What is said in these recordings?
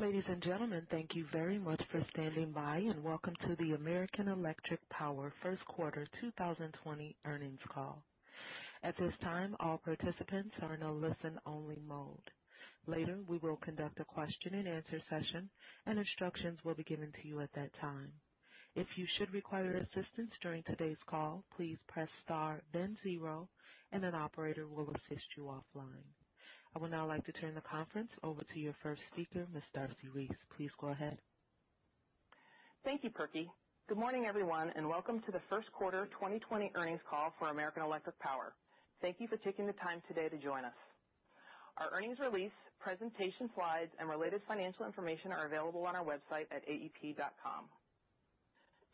Ladies and gentlemen, thank you very much for standing by. Welcome to the American Electric Power Q1 2020 Earnings Call. At this time, all participants are in a listen-only mode. Later, we will conduct a question-and-answer session. Instructions will be given to you at that time. If you should require assistance during today's call, please press star then zero. An operator will assist you offline. I would now like to turn the conference over to your first speaker, Ms. Darcy Reese. Please go ahead. Thank you, Perky. Good morning, everyone, and welcome to the Q1 2020 earnings call for American Electric Power. Thank you for taking the time today to join us. Our earnings release, presentation slides, and related financial information are available on our website at aep.com.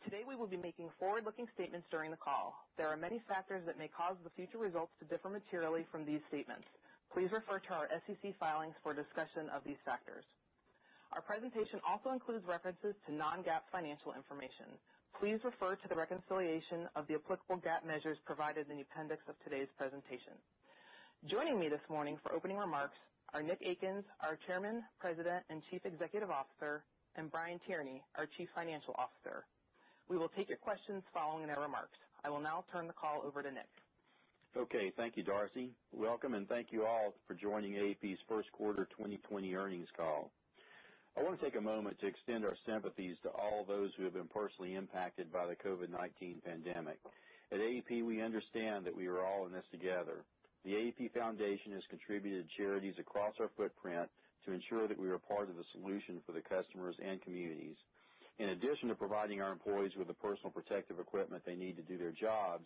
Today, we will be making forward-looking statements during the call. There are many factors that may cause the future results to differ materially from these statements. Please refer to our SEC filings for a discussion of these factors. Our presentation also includes references to non-GAAP financial information. Please refer to the reconciliation of the applicable GAAP measures provided in the appendix of today's presentation. Joining me this morning for opening remarks are Nick Akins, our Chairman, President, and Chief Executive Officer, and Brian Tierney, our Chief Financial Officer. We will take your questions following their remarks. I will now turn the call over to Nick. Thank you, Darcy. Welcome, thank you all for joining AEP's Q1 2020 earnings call. I want to take a moment to extend our sympathies to all those who have been personally impacted by the COVID-19 pandemic. At AEP, we understand that we are all in this together. The AEP Foundation has contributed to charities across our footprint to ensure that we are part of the solution for the customers and communities. In addition to providing our employees with the personal protective equipment they need to do their jobs,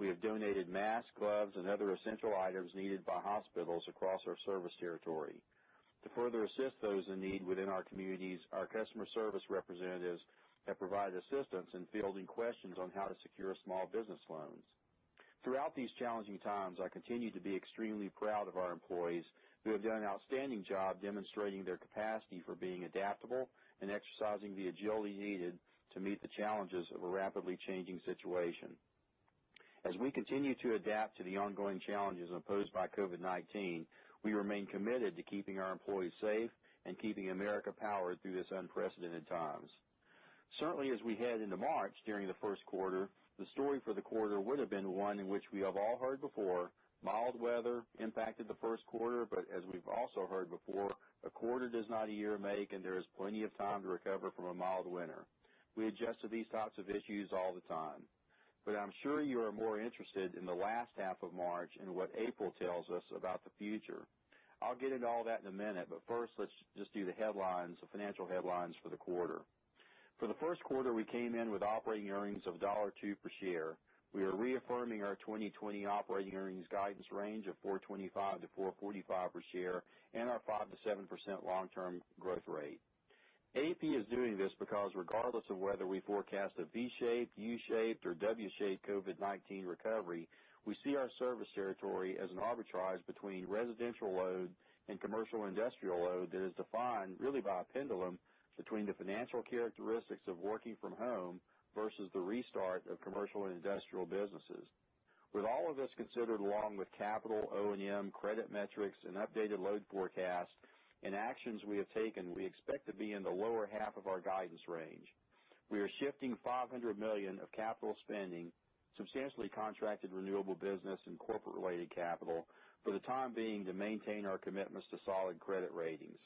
we have donated masks, gloves, and other essential items needed by hospitals across our service territory. To further assist those in need within our communities, our customer service representatives have provided assistance in fielding questions on how to secure small business loans. Throughout these challenging times, I continue to be extremely proud of our employees, who have done an outstanding job demonstrating their capacity for being adaptable and exercising the agility needed to meet the challenges of a rapidly changing situation. As we continue to adapt to the ongoing challenges imposed by COVID-19, we remain committed to keeping our employees safe and keeping America powered through this unprecedented times. Certainly, as we head into March, during the first quarter, the story for the quarter would've been one in which we have all heard before. Mild weather impacted the first quarter, but as we've also heard before, a quarter does not a year make, and there is plenty of time to recover from a mild winter. We adjust to these types of issues all the time, but I'm sure you are more interested in the last half of March and what April tells us about the future. I'll get into all that in a minute, but first, let's just do the financial headlines for the quarter. For the first quarter, we came in with operating earnings of $1.02 per share. We are reaffirming our 2020 operating earnings guidance range of $4.25-$4.45 per share and our 5%-7% long-term growth rate. AEP is doing this because regardless of whether we forecast a V-shaped, U-shaped, or W-shaped COVID-19 recovery, we see our service territory as an arbitrage between residential load and commercial industrial load that is defined really by a pendulum between the financial characteristics of working from home versus the restart of commercial and industrial businesses. With all of this considered, along with capital O&M credit metrics and updated load forecast and actions we have taken, we expect to be in the lower half of our guidance range. We are shifting $500 million of capital spending, substantially contracted renewable business, and corporate-related capital for the time being to maintain our commitments to solid credit ratings.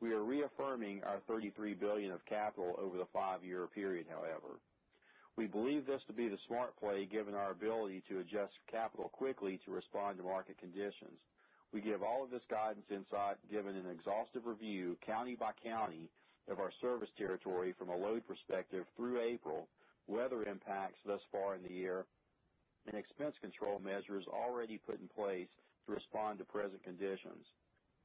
We are reaffirming our $33 billion of capital over the five-year period, however. We believe this to be the smart play given our ability to adjust capital quickly to respond to market conditions. We give all of this guidance insight given an exhaustive review, county by county, of our service territory from a load perspective through April, weather impacts thus far in the year, and expense control measures already put in place to respond to present conditions.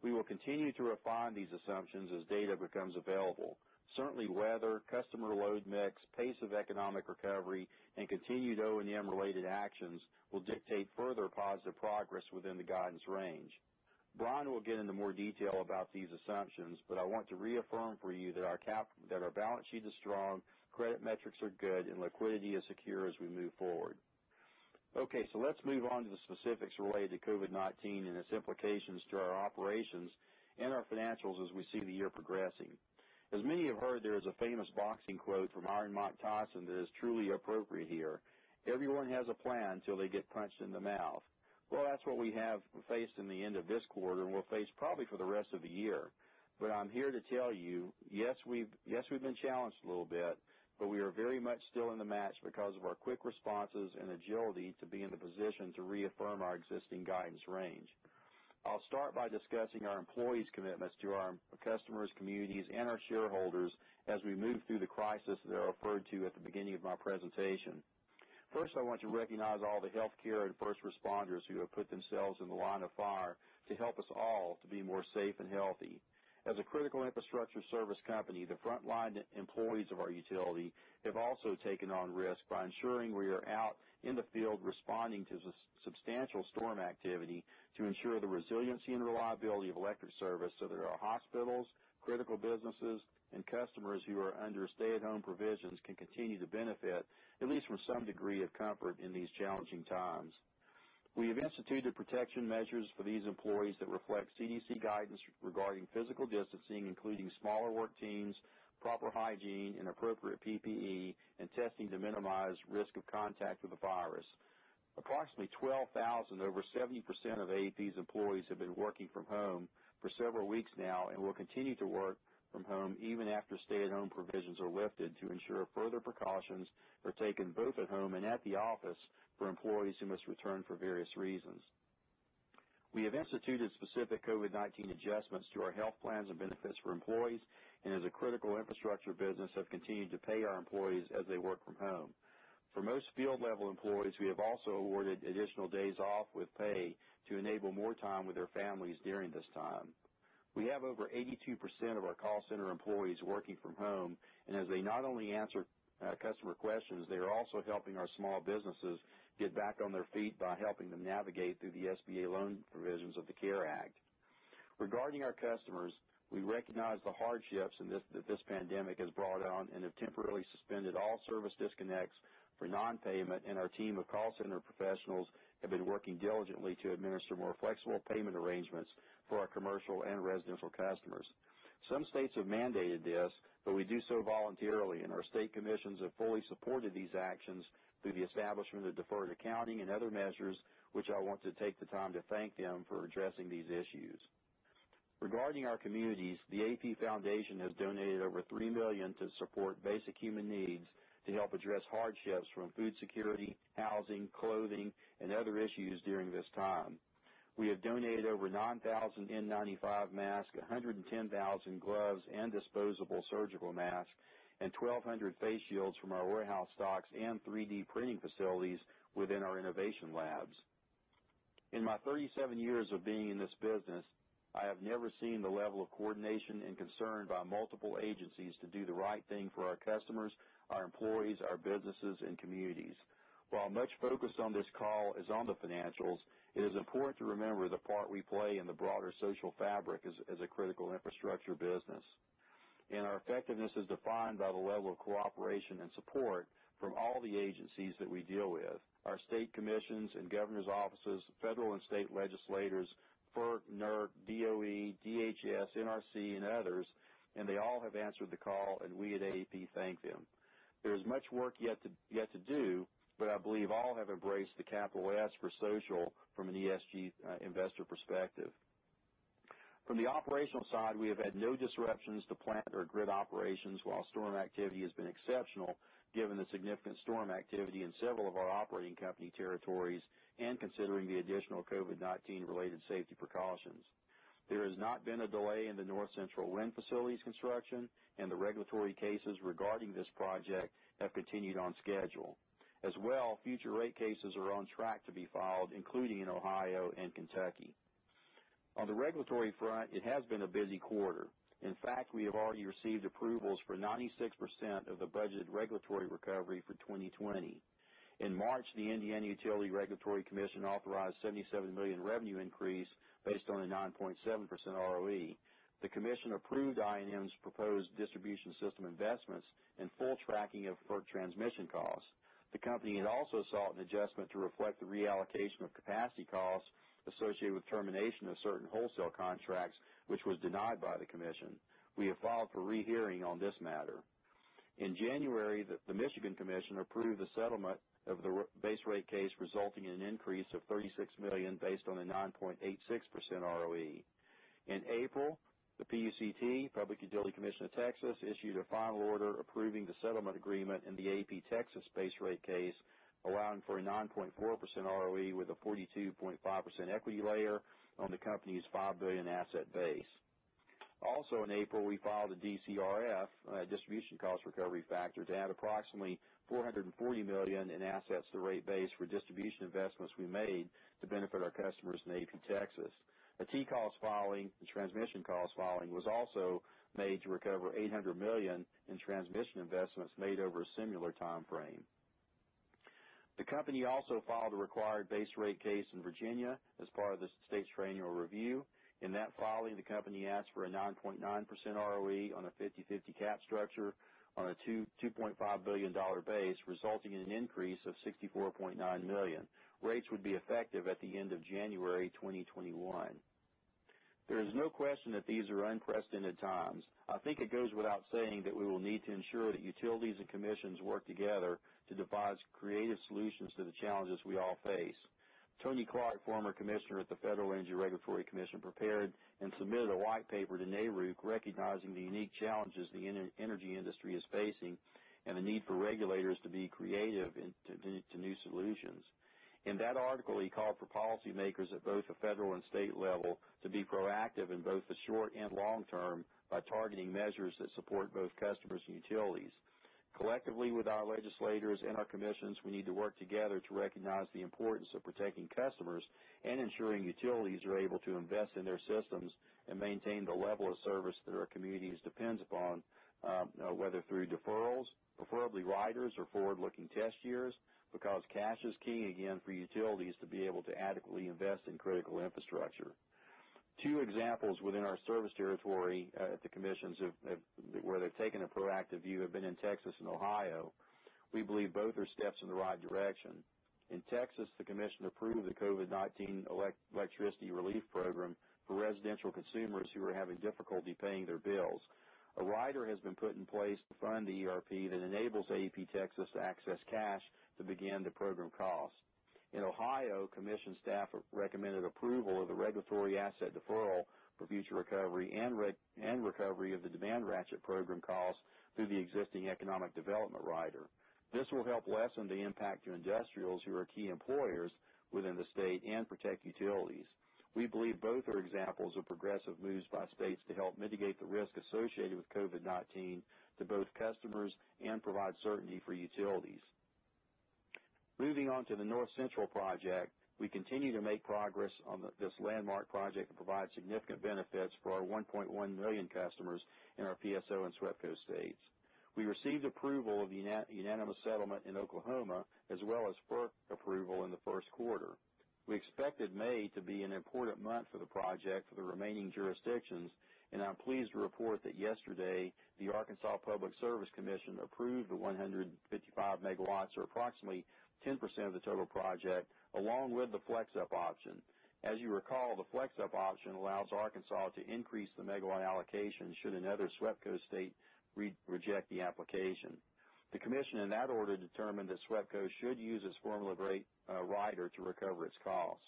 We will continue to refine these assumptions as data becomes available. Certainly, weather, customer load mix, pace of economic recovery, and continued O&M-related actions will dictate further positive progress within the guidance range. Brian will get into more detail about these assumptions, but I want to reaffirm for you that our balance sheet is strong, credit metrics are good, and liquidity is secure as we move forward. Okay, let's move on to the specifics related to COVID-19 and its implications to our operations and our financials as we see the year progressing. As many have heard, there is a famous boxing quote from Iron Mike Tyson that is truly appropriate here. Everyone has a plan until they get punched in the mouth. Well, that's what we have faced in the end of this quarter and will face probably for the rest of the year. I'm here to tell you, yes, we've been challenged a little bit, but we are very much still in the match because of our quick responses and agility to be in the position to reaffirm our existing guidance range. I'll start by discussing our employees' commitments to our customers, communities, and our shareholders as we move through the crisis that I referred to at the beginning of my presentation. First, I want to recognize all the healthcare and first responders who have put themselves in the line of fire to help us all to be more safe and healthy. As a critical infrastructure service company, the frontline employees of our utility have also taken on risk by ensuring we are out in the field responding to substantial storm activity to ensure the resiliency and reliability of electric service so that our hospitals, critical businesses, and customers who are under stay-at-home provisions can continue to benefit at least from some degree of comfort in these challenging times. We have instituted protection measures for these employees that reflect CDC guidance regarding physical distancing, including smaller work teams, proper hygiene and appropriate PPE, and testing to minimize risk of contact with the virus. Approximately 12,000, over 70% of AEP's employees, have been working from home for several weeks now and will continue to work from home even after stay-at-home provisions are lifted to ensure further precautions are taken both at home and at the office for employees who must return for various reasons. We have instituted specific COVID-19 adjustments to our health plans and benefits for employees, and as a critical infrastructure business, have continued to pay our employees as they work from home. For most field-level employees, we have also awarded additional days off with pay to enable more time with their families during this time. We have over 82% of our call center employees working from home, and as they not only answer customer questions, they are also helping our small businesses get back on their feet by helping them navigate through the SBA loan provisions of the CARES Act. Regarding our customers, we recognize the hardships that this pandemic has brought on and have temporarily suspended all service disconnects for non-payment, and our team of call center professionals have been working diligently to administer more flexible payment arrangements for our commercial and residential customers. Some states have mandated this, but we do so voluntarily, and our state commissions have fully supported these actions through the establishment of deferred accounting and other measures, which I want to take the time to thank them for addressing these issues. Regarding our communities, the AEP Foundation has donated over $3 million to support basic human needs to help address hardships from food security, housing, clothing, and other issues during this time. We have donated over 9,000 N95 masks, 110,000 gloves and disposable surgical masks, and 1,200 face shields from our warehouse stocks and 3D printing facilities within our innovation labs. In my 37 years of being in this business, I have never seen the level of coordination and concern by multiple agencies to do the right thing for our customers, our employees, our businesses, and communities. While much focus on this call is on the financials, it is important to remember the part we play in the broader social fabric as a critical infrastructure business. Our effectiveness is defined by the level of cooperation and support from all the agencies that we deal with, our state commissions and governors' offices, federal and state legislators, FERC, NERC, DOE, DHS, NRC, and others, and they all have answered the call, and we at AEP thank them. There is much work yet to do, but I believe all have embraced the capital S for social from an ESG investor perspective. From the operational side, we have had no disruptions to plant or grid operations while storm activity has been exceptional, given the significant storm activity in several of our operating company territories and considering the additional COVID-19-related safety precautions. There has not been a delay in the North Central Wind facility's construction, and the regulatory cases regarding this project have continued on schedule. As well, future rate cases are on track to be filed, including in Ohio and Kentucky. On the regulatory front, it has been a busy quarter. In fact, we have already received approvals for 96% of the budget regulatory recovery for 2020. In March, the Indiana Utility Regulatory Commission authorized a $77 million revenue increase based on a 9.7% ROE. The commission approved I&M's proposed distribution system investments and full tracking of FERC transmission costs. The company had also sought an adjustment to reflect the reallocation of capacity costs associated with termination of certain wholesale contracts, which was denied by the commission. We have filed for rehearing on this matter. In January, the Michigan Commission approved the settlement of the base rate case, resulting in an increase of $36 million based on a 9.86% ROE. In April, the PUCT, Public Utility Commission of Texas, issued a final order approving the settlement agreement in the AEP Texas base rate case, allowing for a 9.4% ROE with a 42.5% equity layer on the company's $5 billion asset base. Also in April, we filed a DCRF, a distribution cost recovery factor, to add approximately $440 million in assets to rate base for distribution investments we made to benefit our customers in AEP Texas. A T-cost filing, a transmission cost filing, was also made to recover $800 million in transmission investments made over a similar timeframe. The company also filed a required base rate case in Virginia as part of the state's triennial review. In that filing, the company asked for a 9.9% ROE on a 50/50 cap structure on a $2.5 billion base, resulting in an increase of $64.9 million. Rates would be effective at the end of January 2021. There is no question that these are unprecedented times. I think it goes without saying that we will need to ensure that utilities and commissions work together to devise creative solutions to the challenges we all face. Tony Clark, former commissioner at the Federal Energy Regulatory Commission, prepared and submitted a white paper to NARUC recognizing the unique challenges the energy industry is facing and the need for regulators to be creative to new solutions. In that article, he called for policymakers at both the federal and state level to be proactive in both the short and long term by targeting measures that support both customers and utilities. Collectively, with our legislators and our commissions, we need to work together to recognize the importance of protecting customers and ensuring utilities are able to invest in their systems and maintain the level of service that our communities depend upon, whether through deferrals, preferably riders or forward-looking test years, because cash is key again for utilities to be able to adequately invest in critical infrastructure. Two examples within our service territory at the commissions where they've taken a proactive view have been in Texas and Ohio. We believe both are steps in the right direction. In Texas, the commission approved the COVID-19 Electricity Relief Program for residential consumers who are having difficulty paying their bills. A rider has been put in place to fund the ERP that enables AEP Texas to access cash to begin the program costs. In Ohio, commission staff recommended approval of the regulatory asset deferral for future recovery and recovery of the demand ratchet program costs through the existing economic development rider. This will help lessen the impact to industrials who are key employers within the state and protect utilities. We believe both are examples of progressive moves by states to help mitigate the risk associated with COVID-19 to both customers and provide certainty for utilities. Moving on to the North Central project, we continue to make progress on this landmark project to provide significant benefits for our 1.1 million customers in our PSO and SWEPCO states. We received approval of the unanimous settlement in Oklahoma, as well as FERC approval in the Q1. We expected May to be an important month for the project for the remaining jurisdictions. I'm pleased to report that yesterday, the Arkansas Public Service Commission approved the 155 MW or approximately 10% of the total project, along with the flex-up option. As you recall, the flex-up option allows Arkansas to increase the megawatt allocation should another SWEPCO state reject the application. The commission in that order determined that SWEPCO should use its formula rate rider to recover its costs.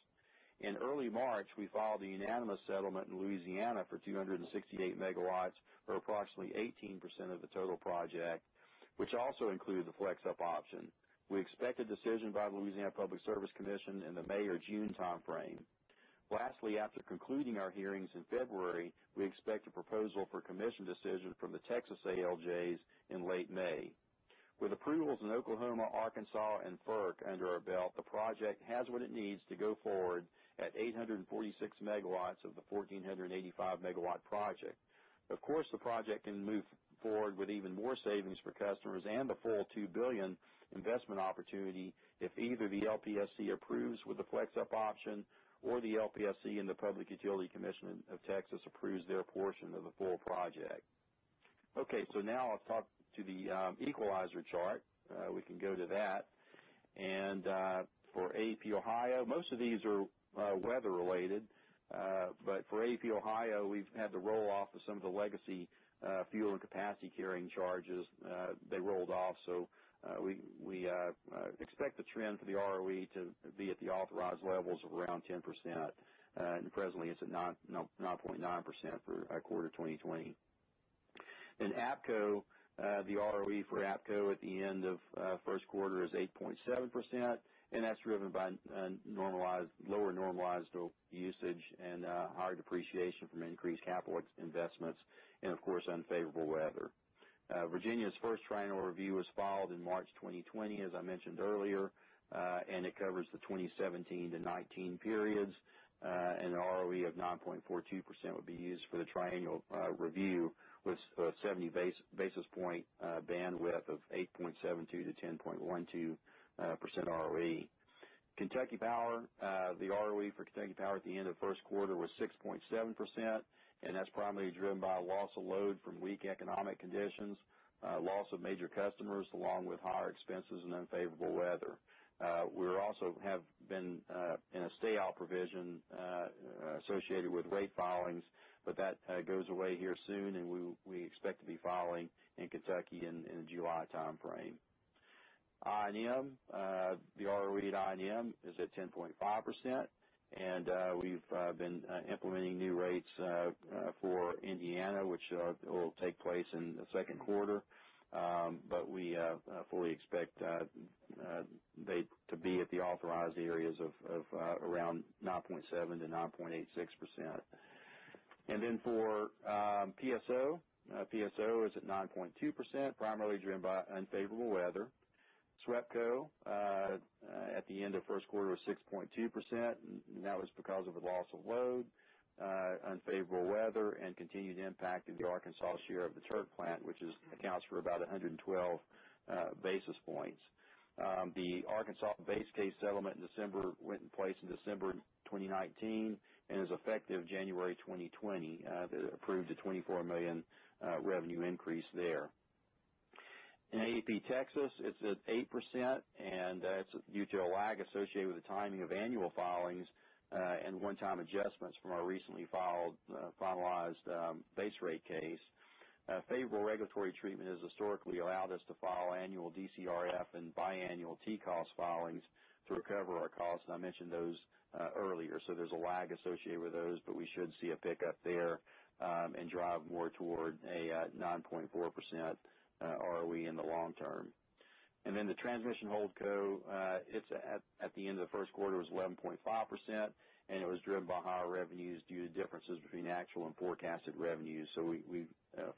In early March, we filed the unanimous settlement in Louisiana for 268 MW, or approximately 18% of the total project, which also included the flex-up option. We expect a decision by the Louisiana Public Service Commission in the May or June timeframe. Lastly, after concluding our hearings in February, we expect a proposal for commission decision from the Texas ALJs in late May. With approvals in Oklahoma, Arkansas, and FERC under our belt, the project has what it needs to go forward at 846 megawatts of the 1,485-megawatt project. Of course, the project can move forward with even more savings for customers and the full $2 billion investment opportunity if either the LPSC approves with the flex-up option or the LPSC and the Public Utility Commission of Texas approves their portion of the full project. Okay. Now I'll talk to the equalizer chart. We can go to that. For AEP Ohio, most of these are weather related. For AEP Ohio, we've had the roll-off of some of the legacy fuel and capacity carrying charges. They rolled off, we expect the trend for the ROE to be at the authorized levels of around 10%, and presently it's at 9.9% for our quarter 2020. In APCO, the ROE for APCO at the end of Q1 is 8.7%, that's driven by lower normalized usage and higher depreciation from increased capital investments, and of course, unfavorable weather. Virginia's first triennial review was filed in March 2020, as I mentioned earlier, it covers the 2017 - 2019 periods. An ROE of 9.42% would be used for the triennial review, with a 70 basis point bandwidth of 8.72%-10.12% ROE. Kentucky Power, the ROE for Kentucky Power at the end of first quarter was 6.7%, that's primarily driven by a loss of load from weak economic conditions, loss of major customers, along with higher expenses and unfavorable weather. We also have been in a stay-all provision associated with rate filings, that goes away here soon, we expect to be filing in Kentucky in the July timeframe. I&M. The ROE at I&M is at 10.5%, and we've been implementing new rates for Indiana, which will take place in the second quarter. We fully expect that to be at the authorized areas of around 9.7%-9.86%. For PSO is at 9.2%, primarily driven by unfavorable weather. SWEPCO at the end of first quarter was 6.2%, and that was because of a loss of load, unfavorable weather, and continued impact of the Arkansas share of the Turk plant, which accounts for about 112 basis points. The Arkansas base case settlement went in place in December 2019 and is effective January 2020. That approved a $24 million revenue increase there. In AEP Texas, it's at 8%, and that's due to a lag associated with the timing of annual filings and one-time adjustments from our recently filed finalized base rate case. Favorable regulatory treatment has historically allowed us to file annual DCRF and biannual TCOS filings to recover our costs, and I mentioned those earlier. There's a lag associated with those, but we should see a pickup there and drive more toward a 9.4% ROE in the long term. The Transmission Holdco at the end of the first quarter was 11.5%, and it was driven by higher revenues due to differences between actual and forecasted revenues. We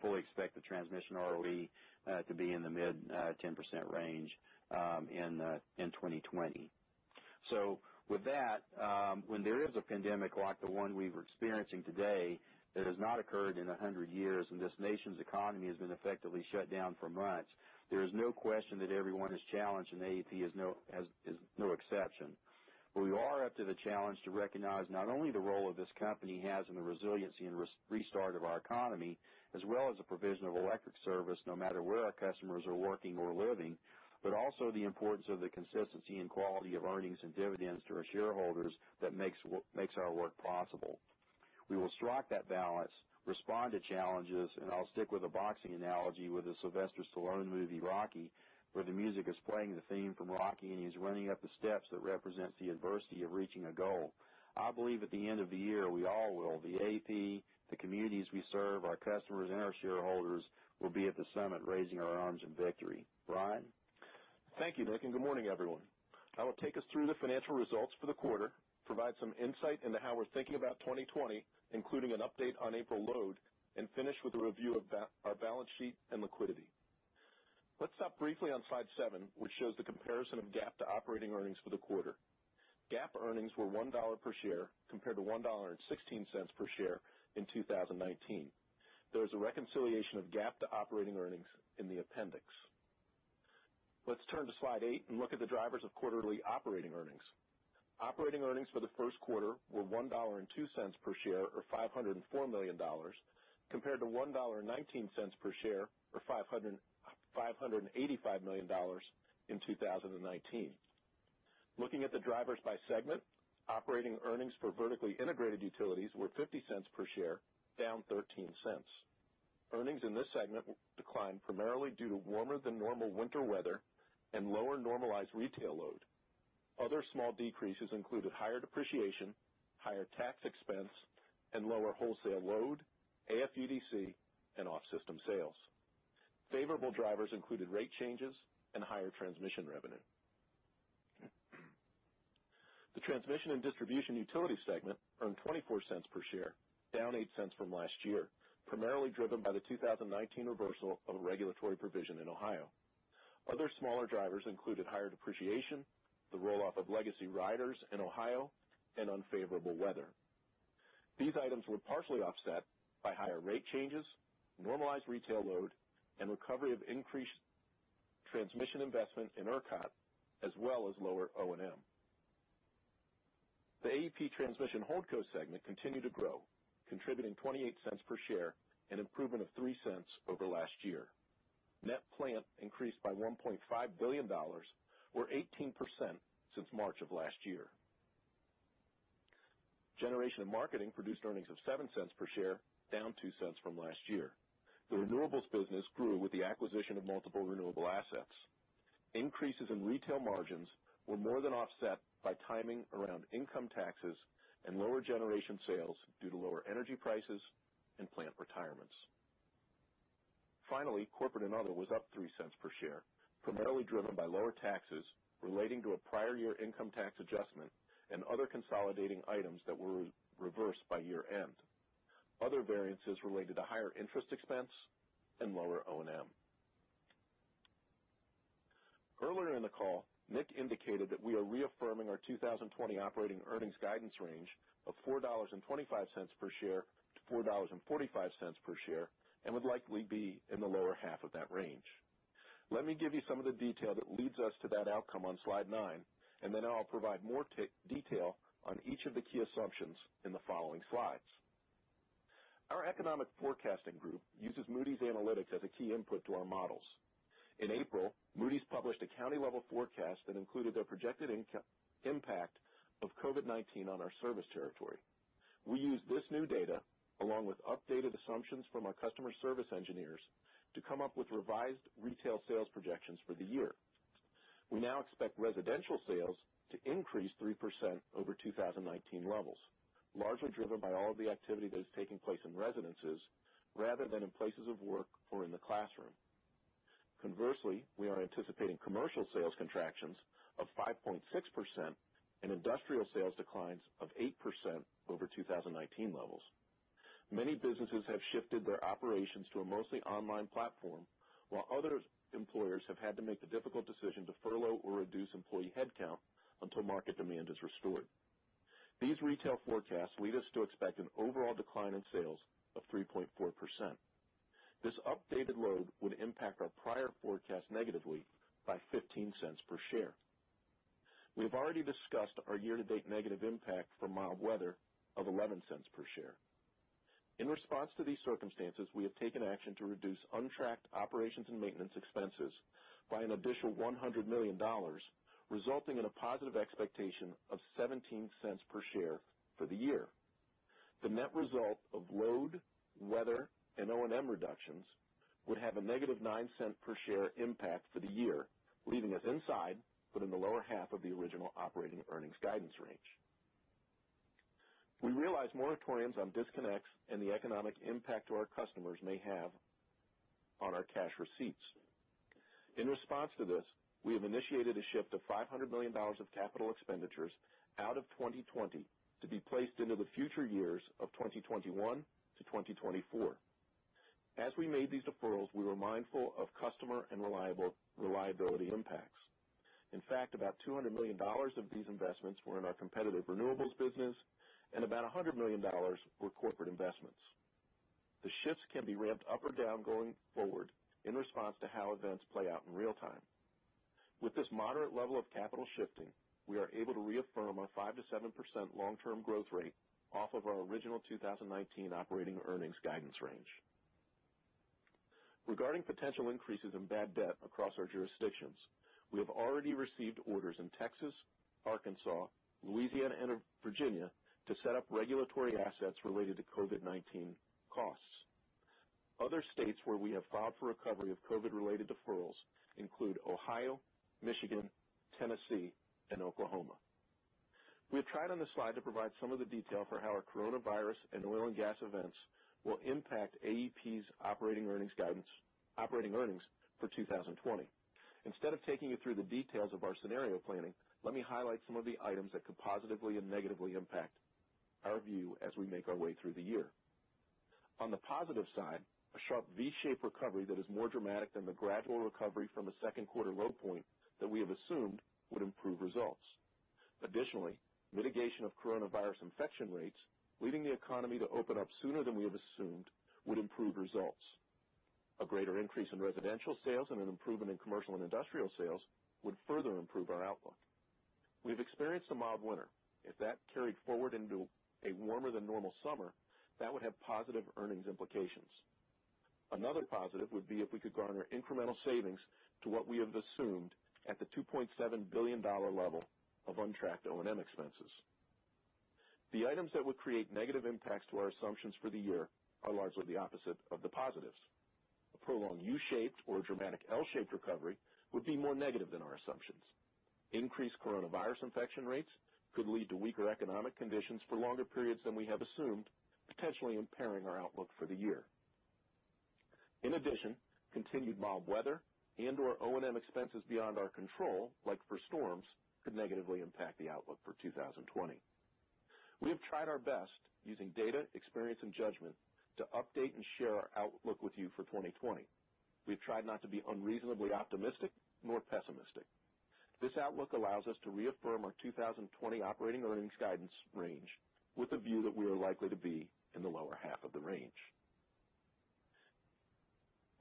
fully expect the transmission ROE to be in the mid-10% range in 2020. With that, when there is a pandemic like the one we're experiencing today that has not occurred in 100 years, and this nation's economy has been effectively shut down for months, there is no question that everyone is challenged, and AEP is no exception. We are up to the challenge to recognize not only the role this company has in the resiliency and restart of our economy, as well as the provision of electric service, no matter where our customers are working or living, but also the importance of the consistency and quality of earnings and dividends to our shareholders that makes our work possible. We will strike that balance, respond to challenges, and I'll stick with a boxing analogy with the Sylvester Stallone movie, Rocky, where the music is playing the theme from Rocky, and he's running up the steps that represents the adversity of reaching a goal. I believe at the end of the year, we all will, the AEP, the communities we serve, our customers, and our shareholders will be at the summit, raising our arms in victory. Brian? Thank you, Nick. Good morning, everyone. I will take us through the financial results for the quarter, provide some insight into how we're thinking about 2020, including an update on April load, and finish with a review of our balance sheet and liquidity. Let's stop briefly on slide seven, which shows the comparison of GAAP to operating earnings for the quarter. GAAP earnings were $1 per share compared to $1.16 per share in 2019. There is a reconciliation of GAAP to operating earnings in the appendix. Let's turn to slide eight and look at the drivers of quarterly operating earnings. Operating earnings for the first quarter were $1.02 per share, or $504 million, compared to $1.19 per share, or $585 million in 2019. Looking at the drivers by segment, operating earnings for vertically integrated utilities were $0.50 per share, down $0.13. Earnings in this segment declined primarily due to warmer-than-normal winter weather and lower normalized retail load. Other small decreases included higher depreciation, higher tax expense, and lower wholesale load, AFUDC, and off-system sales. Favorable drivers included rate changes and higher transmission revenue. The transmission and distribution utility segment earned $0.24 per share, down $0.08 from last year, primarily driven by the 2019 reversal of a regulatory provision in Ohio. Other smaller drivers included higher depreciation, the roll-off of legacy riders in Ohio, and unfavorable weather. These items were partially offset by higher rate changes, normalized retail load, and recovery of increased transmission investment in ERCOT, as well as lower O&M. The AEP Transmission Holdco segment continued to grow, contributing $0.28 per share, an improvement of $0.03 over last year. Net plant increased by $1.5 billion or 18% since March of last year. Generation and marketing produced earnings of $0.07 per share, down $0.02 from last year. The renewables business grew with the acquisition of multiple renewable assets. Increases in retail margins were more than offset by timing around income taxes and lower generation sales due to lower energy prices and plant retirements. Corporate and other was up $0.03 per share, primarily driven by lower taxes relating to a prior year income tax adjustment and other consolidating items that were reversed by year-end. Other variances related to higher interest expense and lower O&M. Earlier in the call, Nick indicated that we are reaffirming our 2020 operating earnings guidance range of $4.25 per share to $4.45 per share and would likely be in the lower half of that range. Let me give you some of the detail that leads us to that outcome on slide nine. I'll provide more detail on each of the key assumptions in the following slides. Our economic forecasting group uses Moody's Analytics as a key input to our models. In April, Moody's published a county-level forecast that included their projected impact of COVID-19 on our service territory. We used this new data, along with updated assumptions from our customer service engineers, to come up with revised retail sales projections for the year. We now expect residential sales to increase 3% over 2019 levels, largely driven by all of the activity that is taking place in residences rather than in places of work or in the classroom. Conversely, we are anticipating commercial sales contractions of 5.6% and industrial sales declines of 8% over 2019 levels. Many businesses have shifted their operations to a mostly online platform, while other employers have had to make the difficult decision to furlough or reduce employee headcount until market demand is restored. These retail forecasts lead us to expect an overall decline in sales of 3.4%. This updated load would impact our prior forecast negatively by $0.15 per share. We have already discussed our year-to-date negative impact from mild weather of $0.11 per share. In response to these circumstances, we have taken action to reduce untracked operations and maintenance expenses by an additional $100 million, resulting in a positive expectation of $0.17 per share for the year. The net result of load, weather, and O&M reductions would have a negative $0.09 per share impact for the year, leaving us inside, but in the lower half of the original operating earnings guidance range. We realize moratoriums on disconnects and the economic impact to our customers may have on our cash receipts. In response to this, we have initiated a shift of $500 million of capital expenditures out of 2020 to be placed into the future years of 2021 - 2024. As we made these deferrals, we were mindful of customer and reliability impacts. In fact, about $200 million of these investments were in our competitive renewables business, and about $100 million were corporate investments. The shifts can be ramped up or down going forward in response to how events play out in real-time. With this moderate level of capital shifting, we are able to reaffirm our 5%-7% long-term growth rate off of our original 2019 operating earnings guidance range. Regarding potential increases in bad debt across our jurisdictions, we have already received orders in Texas, Arkansas, Louisiana, and Virginia to set up regulatory assets related to COVID-19 costs. Other states where we have filed for recovery of COVID-related deferrals include Ohio, Michigan, Tennessee, and Oklahoma. We have tried on this slide to provide some of the detail for how our coronavirus and oil and gas events will impact AEP's operating earnings for 2020. Instead of taking you through the details of our scenario planning, let me highlight some of the items that could positively and negatively impact our view as we make our way through the year. On the positive side, a sharp V-shaped recovery that is more dramatic than the gradual recovery from the second quarter low point that we have assumed would improve results. Additionally, mitigation of coronavirus infection rates, leading the economy to open up sooner than we have assumed would improve results. A greater increase in residential sales and an improvement in commercial and industrial sales would further improve our outlook. We've experienced a mild winter. If that carried forward into a warmer than normal summer, that would have positive earnings implications. Another positive would be if we could garner incremental savings to what we have assumed at the $2.7 billion level of untracked O&M expenses. The items that would create negative impacts to our assumptions for the year are largely the opposite of the positives. A prolonged U-shaped or dramatic L-shaped recovery would be more negative than our assumptions. Increased coronavirus infection rates could lead to weaker economic conditions for longer periods than we have assumed, potentially impairing our outlook for the year. In addition, continued mild weather and/or O&M expenses beyond our control, like for storms, could negatively impact the outlook for 2020. We have tried our best using data, experience, and judgment to update and share our outlook with you for 2020. We've tried not to be unreasonably optimistic nor pessimistic. This outlook allows us to reaffirm our 2020 operating earnings guidance range with a view that we are likely to be in the lower half of the range.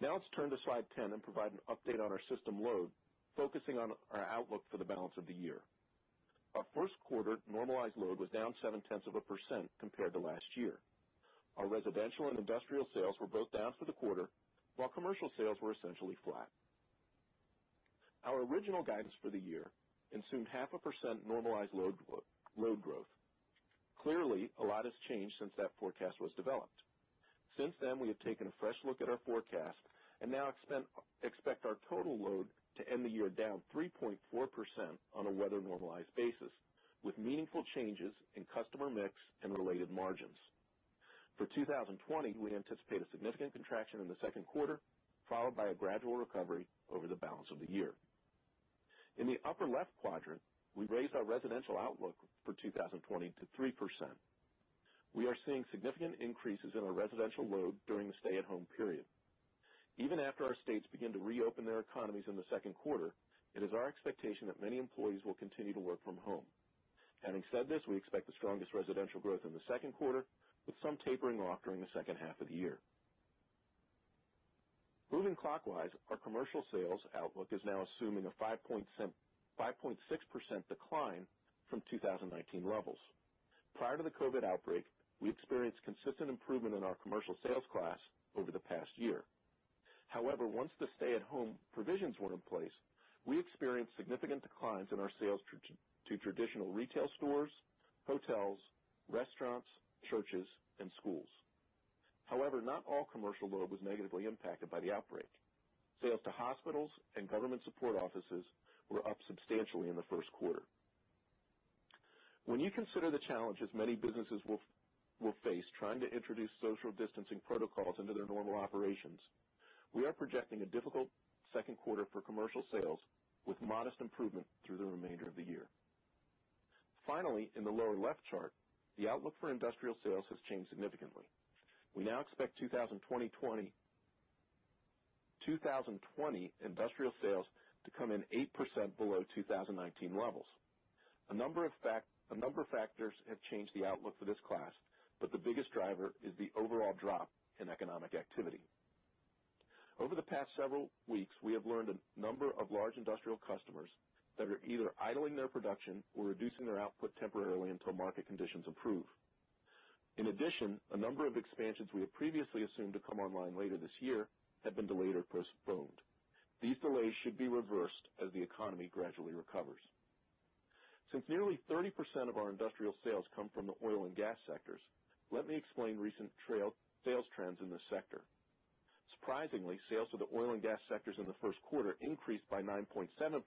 Now let's turn to slide 10 and provide an update on our system load, focusing on our outlook for the balance of the year. Our Q1 normalized load was down 0.7% compared to last year. Our residential and industrial sales were both down for the quarter, while commercial sales were essentially flat. Our original guidance for the year assumed 0.5% normalized load growth. Clearly, a lot has changed since that forecast was developed. We have taken a fresh look at our forecast and now expect our total load to end the year down 3.4% on a weather-normalized basis, with meaningful changes in customer mix and related margins. For 2020, we anticipate a significant contraction in Q2, followed by a gradual recovery over the balance of the year. In the upper-left quadrant, we've raised our residential outlook for 2020 to 3%. We are seeing significant increases in our residential load during the stay-at-home period. Even after our states begin to reopen their economies in Q2, it is our expectation that many employees will continue to work from home. Having said this, we expect the strongest residential growth in Q2, with some tapering off during the H2 of the year. Moving clockwise, our commercial sales outlook is now assuming a 5.6% decline from 2019 levels. Prior to the COVID-19 outbreak, we experienced consistent improvement in our commercial sales class over the past year. Once the stay-at-home provisions were in place, we experienced significant declines in our sales to traditional retail stores, hotels, restaurants, churches, and schools. Not all commercial load was negatively impacted by the outbreak. Sales to hospitals and government support offices were up substantially in Q1. When you consider the challenges many businesses will face trying to introduce social distancing protocols into their normal operations, we are projecting a difficult second quarter for commercial sales, with modest improvement through the remainder of the year. In the lower-left chart, the outlook for industrial sales has changed significantly. We now expect 2020 industrial sales to come in 8% below 2019 levels. A number of factors have changed the outlook for this class, but the biggest driver is the overall drop in economic activity. Over the past several weeks, we have learned a number of large industrial customers that are either idling their production or reducing their output temporarily until market conditions improve. A number of expansions we had previously assumed to come online later this year have been delayed or postponed. These delays should be reversed as the economy gradually recovers. Since nearly 30% of our industrial sales come from the oil and gas sectors, let me explain recent sales trends in this sector. Surprisingly, sales to the oil and gas sectors in Q1 increased by 9.7%,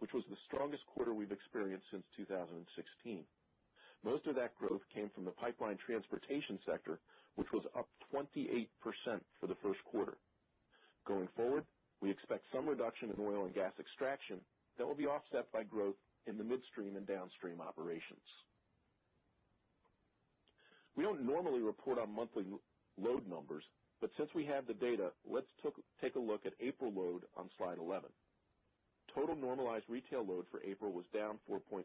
which was the strongest quarter we've experienced since 2016. Most of that growth came from the pipeline transportation sector, which was up 28% for Q1. Going forward, we expect some reduction in oil and gas extraction that will be offset by growth in the midstream and downstream operations. We don't normally report on monthly load numbers, but since we have the data, let's take a look at April load on slide 11. Total normalized retail load for April was down 4.3%,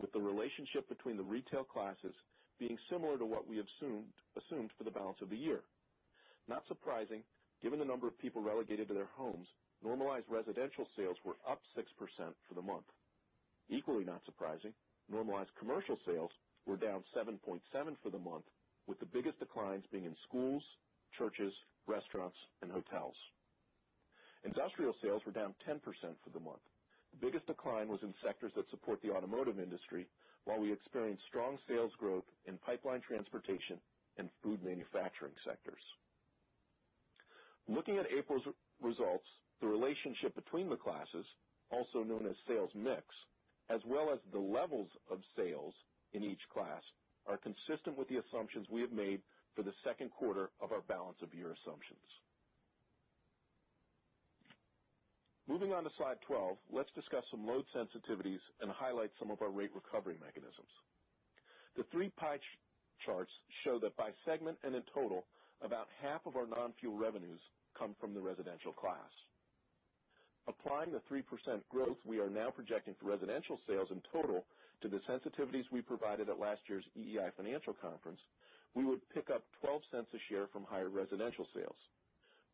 with the relationship between the retail classes being similar to what we assumed for the balance of the year. Not surprising, given the number of people relegated to their homes, normalized residential sales were up 6% for the month. Equally not surprising, normalized commercial sales were down 7.7% for the month, with the biggest declines being in schools, churches, restaurants, and hotels. Industrial sales were down 10% for the month. The biggest decline was in sectors that support the automotive industry, while we experienced strong sales growth in pipeline transportation and food manufacturing sectors. Looking at April's results, the relationship between the classes, also known as sales mix, as well as the levels of sales in each class, are consistent with the assumptions we have made for the second quarter of our balance of year assumptions. Moving on to slide 12, let's discuss some load sensitivities and highlight some of our rate recovery mechanisms. The three pie charts show that by segment and in total, about half of our non-fuel revenues come from the residential class. Applying the 3% growth we are now projecting for residential sales in total to the sensitivities we provided at last year's EEI Financial Conference, we would pick up $0.12 a share from higher residential sales.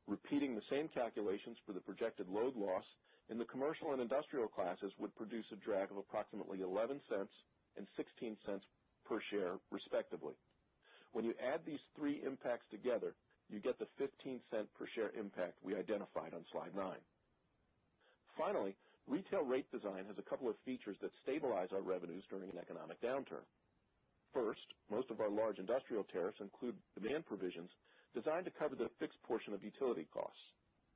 Repeating the same calculations for the projected load loss in the commercial and industrial classes would produce a drag of approximately $0.11 and $0.16 per share, respectively. When you add these three impacts together, you get the $0.15 per share impact we identified on slide nine. Finally, retail rate design has a couple of features that stabilize our revenues during an economic downturn. First, most of our large industrial tariffs include demand provisions designed to cover the fixed portion of utility costs.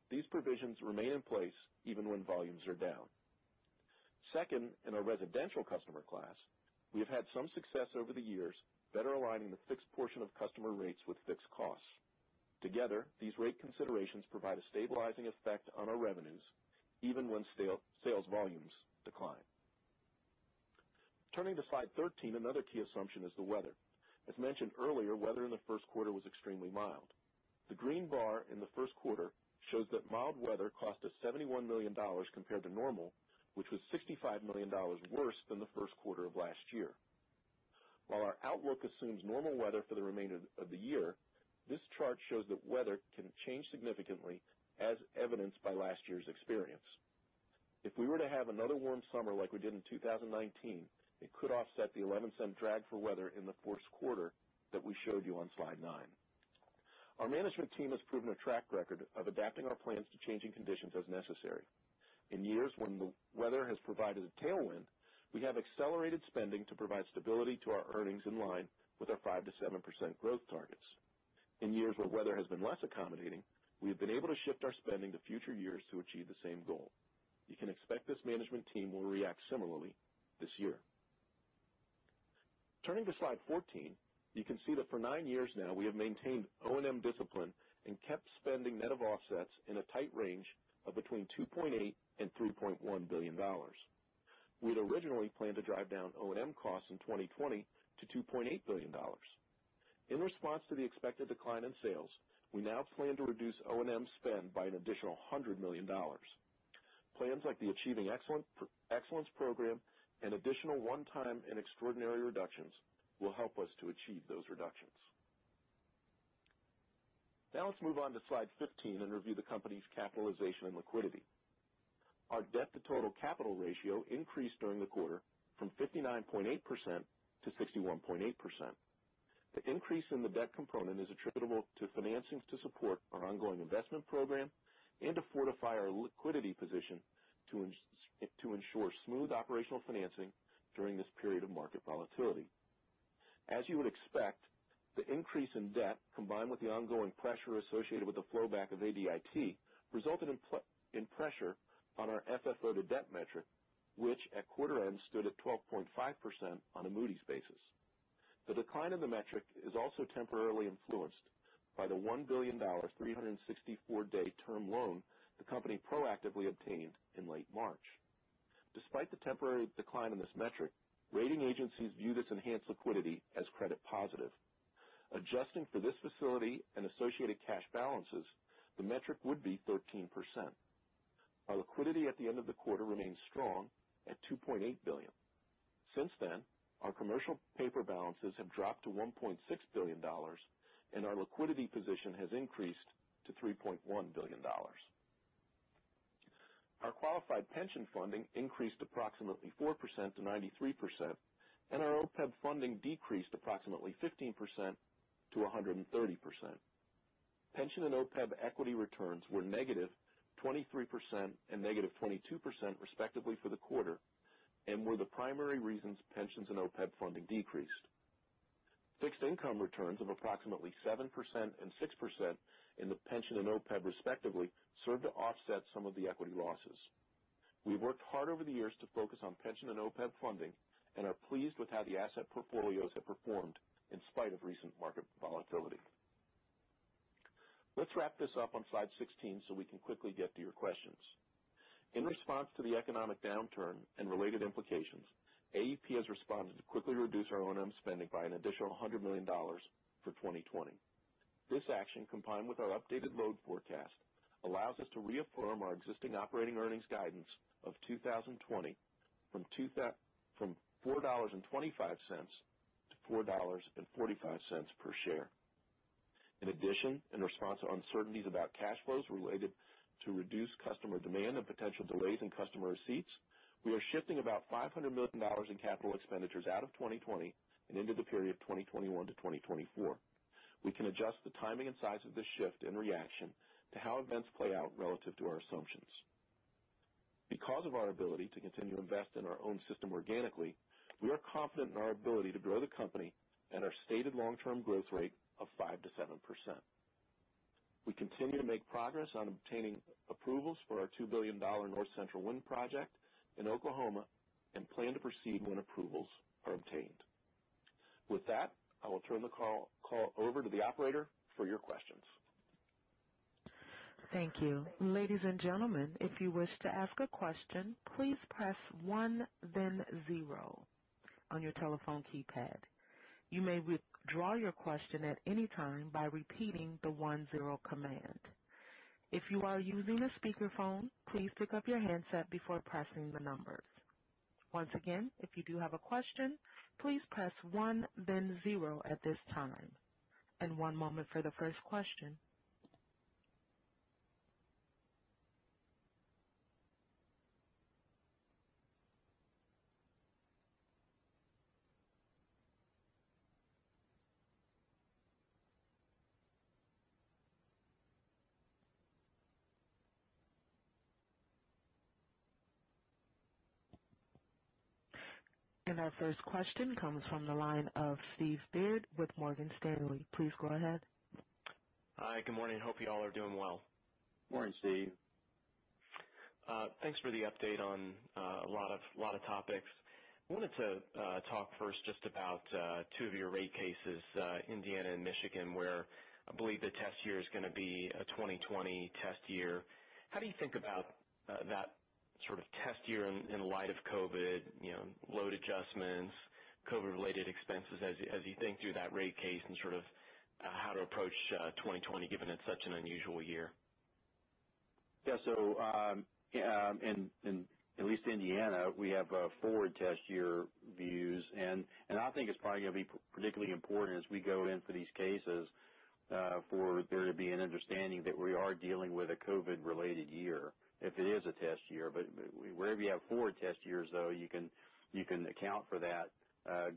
These provisions remain in place even when volumes are down. Second, in our residential customer class, we have had some success over the years better aligning the fixed portion of customer rates with fixed costs. Together, these rate considerations provide a stabilizing effect on our revenues, even when sales volumes decline. Turning to slide 13, another key assumption is the weather. As mentioned earlier, weather in Q1 was extremely mild. The green bar in the Q1 shows that mild weather cost us $71 million compared to normal, which was $65 million worse than Q1 of last year. While our outlook assumes normal weather for the remainder of the year, this chart shows that weather can change significantly, as evidenced by last year's experience. If we were to have another warm summer like we did in 2019, it could offset the $0.11 drag for weather in the fourth quarter that we showed you on slide nine. Our management team has proven a track record of adapting our plans to changing conditions as necessary. In years when the weather has provided a tailwind, we have accelerated spending to provide stability to our earnings in line with our 5%-7% growth targets. In years where weather has been less accommodating, we have been able to shift our spending to future years to achieve the same goal. You can expect this management team will react similarly this year. Turning to slide 14, you can see that for nine years now, we have maintained O&M discipline and kept spending net of offsets in a tight range of between $2.8 and $3.1 billion. We had originally planned to drive down O&M costs in 2020 to $2.8 billion. In response to the expected decline in sales, we now plan to reduce O&M spend by an additional $100 million. Plans like the Achieving Excellence program and additional one-time and extraordinary reductions will help us to achieve those reductions. Now let's move on to slide 15 and review the company's capitalization and liquidity. Our debt-to-total capital ratio increased during the quarter from 59.8% - 61.8%. The increase in the debt component is attributable to financings to support our ongoing investment program and to fortify our liquidity position to ensure smooth operational financing during this period of market volatility. As you would expect, the increase in debt, combined with the ongoing pressure associated with the flowback of ADIT, resulted in pressure on our FFO to debt metric, which at quarter end stood at 12.5% on a Moody's basis. The decline in the metric is also temporarily influenced by the $1 billion 364-day term loan the company proactively obtained in late March. Despite the temporary decline in this metric, rating agencies view this enhanced liquidity as credit positive. Adjusting for this facility and associated cash balances, the metric would be 13%. Our liquidity at the end of the quarter remains strong at $2.8 billion. Since then, our commercial paper balances have dropped to $1.6 billion, and our liquidity position has increased to $3.1 billion. Our qualified pension funding increased approximately 4% to 93%, and our OPEB funding decreased approximately 15% - 130%. Pension and OPEB equity returns were negative 23% and negative 22% respectively for the quarter and were the primary reasons pensions and OPEB funding decreased. Fixed income returns of approximately 7% and 6% in the pension and OPEB respectively served to offset some of the equity losses. We've worked hard over the years to focus on pension and OPEB funding and are pleased with how the asset portfolios have performed in spite of recent market volatility. Let's wrap this up on slide 16 so we can quickly get to your questions. In response to the economic downturn and related implications, AEP has responded to quickly reduce our O&M spending by an additional $100 million for 2020. This action, combined with our updated load forecast, allows us to reaffirm our existing operating earnings guidance of 2020 from $4.25-$4.45 per share. In addition, in response to uncertainties about cash flows related to reduced customer demand and potential delays in customer receipts, we are shifting about $500 million in capital expenditures out of 2020 and into the period 2021-2024. We can adjust the timing and size of this shift in reaction to how events play out relative to our assumptions. Because of our ability to continue to invest in our own system organically, we are confident in our ability to grow the company at our stated long-term growth rate of 5%-7%. We continue to make progress on obtaining approvals for our $2 billion North Central Wind project in Oklahoma, and plan to proceed when approvals are obtained. With that, I will turn the call over to the operator for your questions. Thank you. Ladies and gentlemen, if you wish to ask a question, please press one then zero on your telephone keypad. You may withdraw your question at any time by repeating the one-zero command. If you are using a speakerphone, please pick up your handset before pressing the numbers. Once again, if you do have a question, please press one then zero at this time. One moment for the first question. Our first question comes from the line of Stephen Byrd with Morgan Stanley. Please go ahead. Hi, good morning. Hope you all are doing well. Morning, Stephen. Thanks for the update on a lot of topics. I wanted to talk first just about two of your rate cases, Indiana and Michigan, where I believe the test year is going to be a 2020 test year. How do you think about that sort of test year in light of COVID-19, load adjustments, COVID-19-related expenses as you think through that rate case and sort of how to approach 2020, given it's such an unusual year? In at least Indiana, we have forward test year views. I think it's probably going to be particularly important as we go into these cases for there to be an understanding that we are dealing with a COVID-related year, if it is a test year. Wherever you have forward test years, though, you can account for that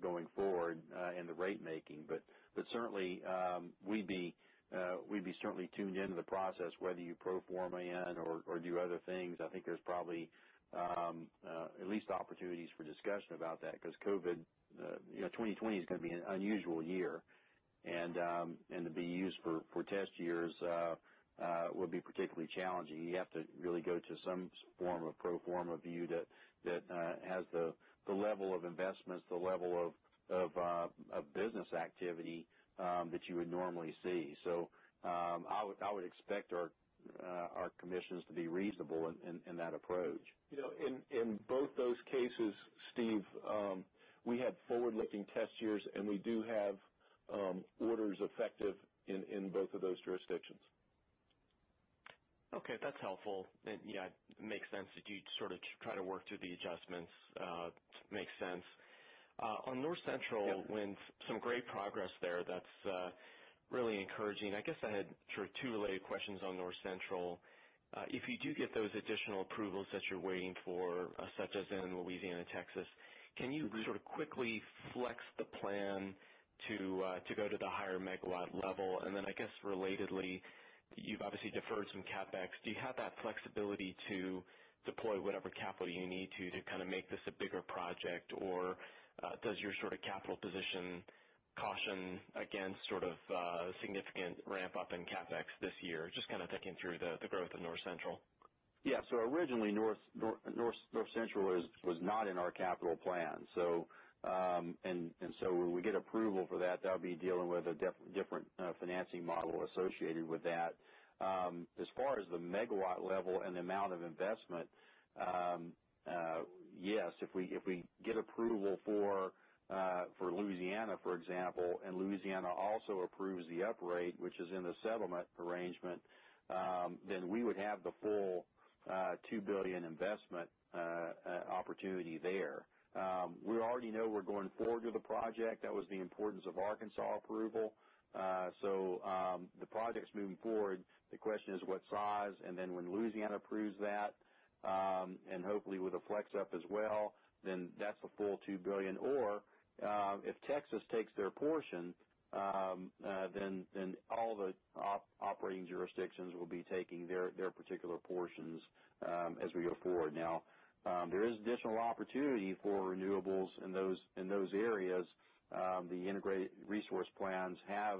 going forward in the rate making. We'd be certainly tuned into the process, whether you pro forma in or do other things. I think there's probably at least opportunities for discussion about that, because COVID, 2020 is going to be an unusual year, and to be used for test years will be particularly challenging. You have to really go to some form of pro forma view that has the level of investments, the level of business activity that you would normally see. I would expect our commissions to be reasonable in that approach. In both those cases, Steve, we have forward-looking test years, and we do have orders effective in both of those jurisdictions. Okay, that's helpful. Yeah, it makes sense that you'd sort of try to work through the adjustments. Makes sense. Yeah Wind, some great progress there. That's really encouraging. I guess I had sort of two related questions on North Central. If you do get those additional approvals that you're waiting for, such as in Louisiana and Texas, can you sort of quickly flex the plan to go to the higher megawatt level? I guess relatedly, you've obviously deferred some CapEx. Do you have that flexibility to deploy whatever capital you need to kind of make this a bigger project? Does your sort of capital position caution against sort of significant ramp-up in CapEx this year? Just kind of thinking through the growth of North Central. Yeah. Originally, North Central was not in our capital plan. When we get approval for that'll be dealing with a different financing model associated with that. As far as the megawatt level and the amount of investment, yes, if we get approval for Louisiana, for example, and Louisiana also approves the uprate, which is in the settlement arrangement, then we would have the full $2 billion investment opportunity there. We already know we're going forward with the project. That was the importance of Arkansas approval. The project's moving forward. The question is what size, and then when Louisiana approves that, and hopefully with a flex up as well, then that's a full $2 billion. If Texas takes their portion, then all the operating jurisdictions will be taking their particular portions as we go forward. There is additional opportunity for renewables in those areas. The integrated resource plans have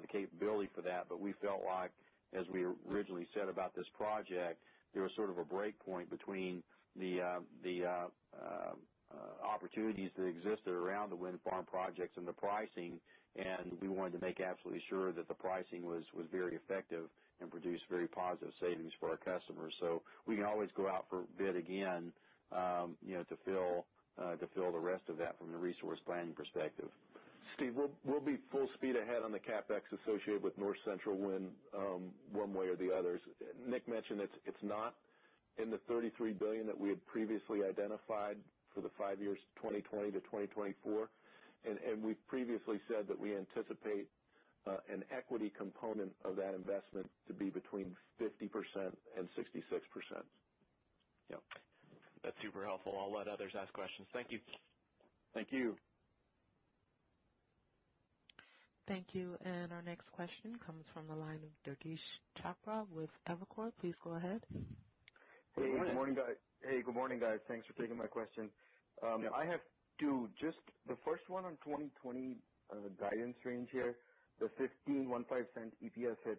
the capability for that. We felt like, as we originally said about this project, there was sort of a break point between the opportunities that exist that are around the wind farm projects and the pricing, and we wanted to make absolutely sure that the pricing was very effective and produced very positive savings for our customers. We can always go out for bid again to fill the rest of that from the resource planning perspective. Steve, we'll be full speed ahead on the CapEx associated with North Central Wind, one way or the other. Nick mentioned it's not in the $33 billion that we had previously identified for the five years 2020 - 2024. We've previously said that we anticipate an equity component of that investment to be between 50% and 66%. Yep. That's super helpful. I'll let others ask questions. Thank you. Thank you. Thank you. Our next question comes from the line of Durgesh Chopra with Evercore. Please go ahead. Hey, good morning, guys. Thanks for taking my question. Yeah. I have two. Just the first one on 2020 guidance range here, the $0.15 EPS hit.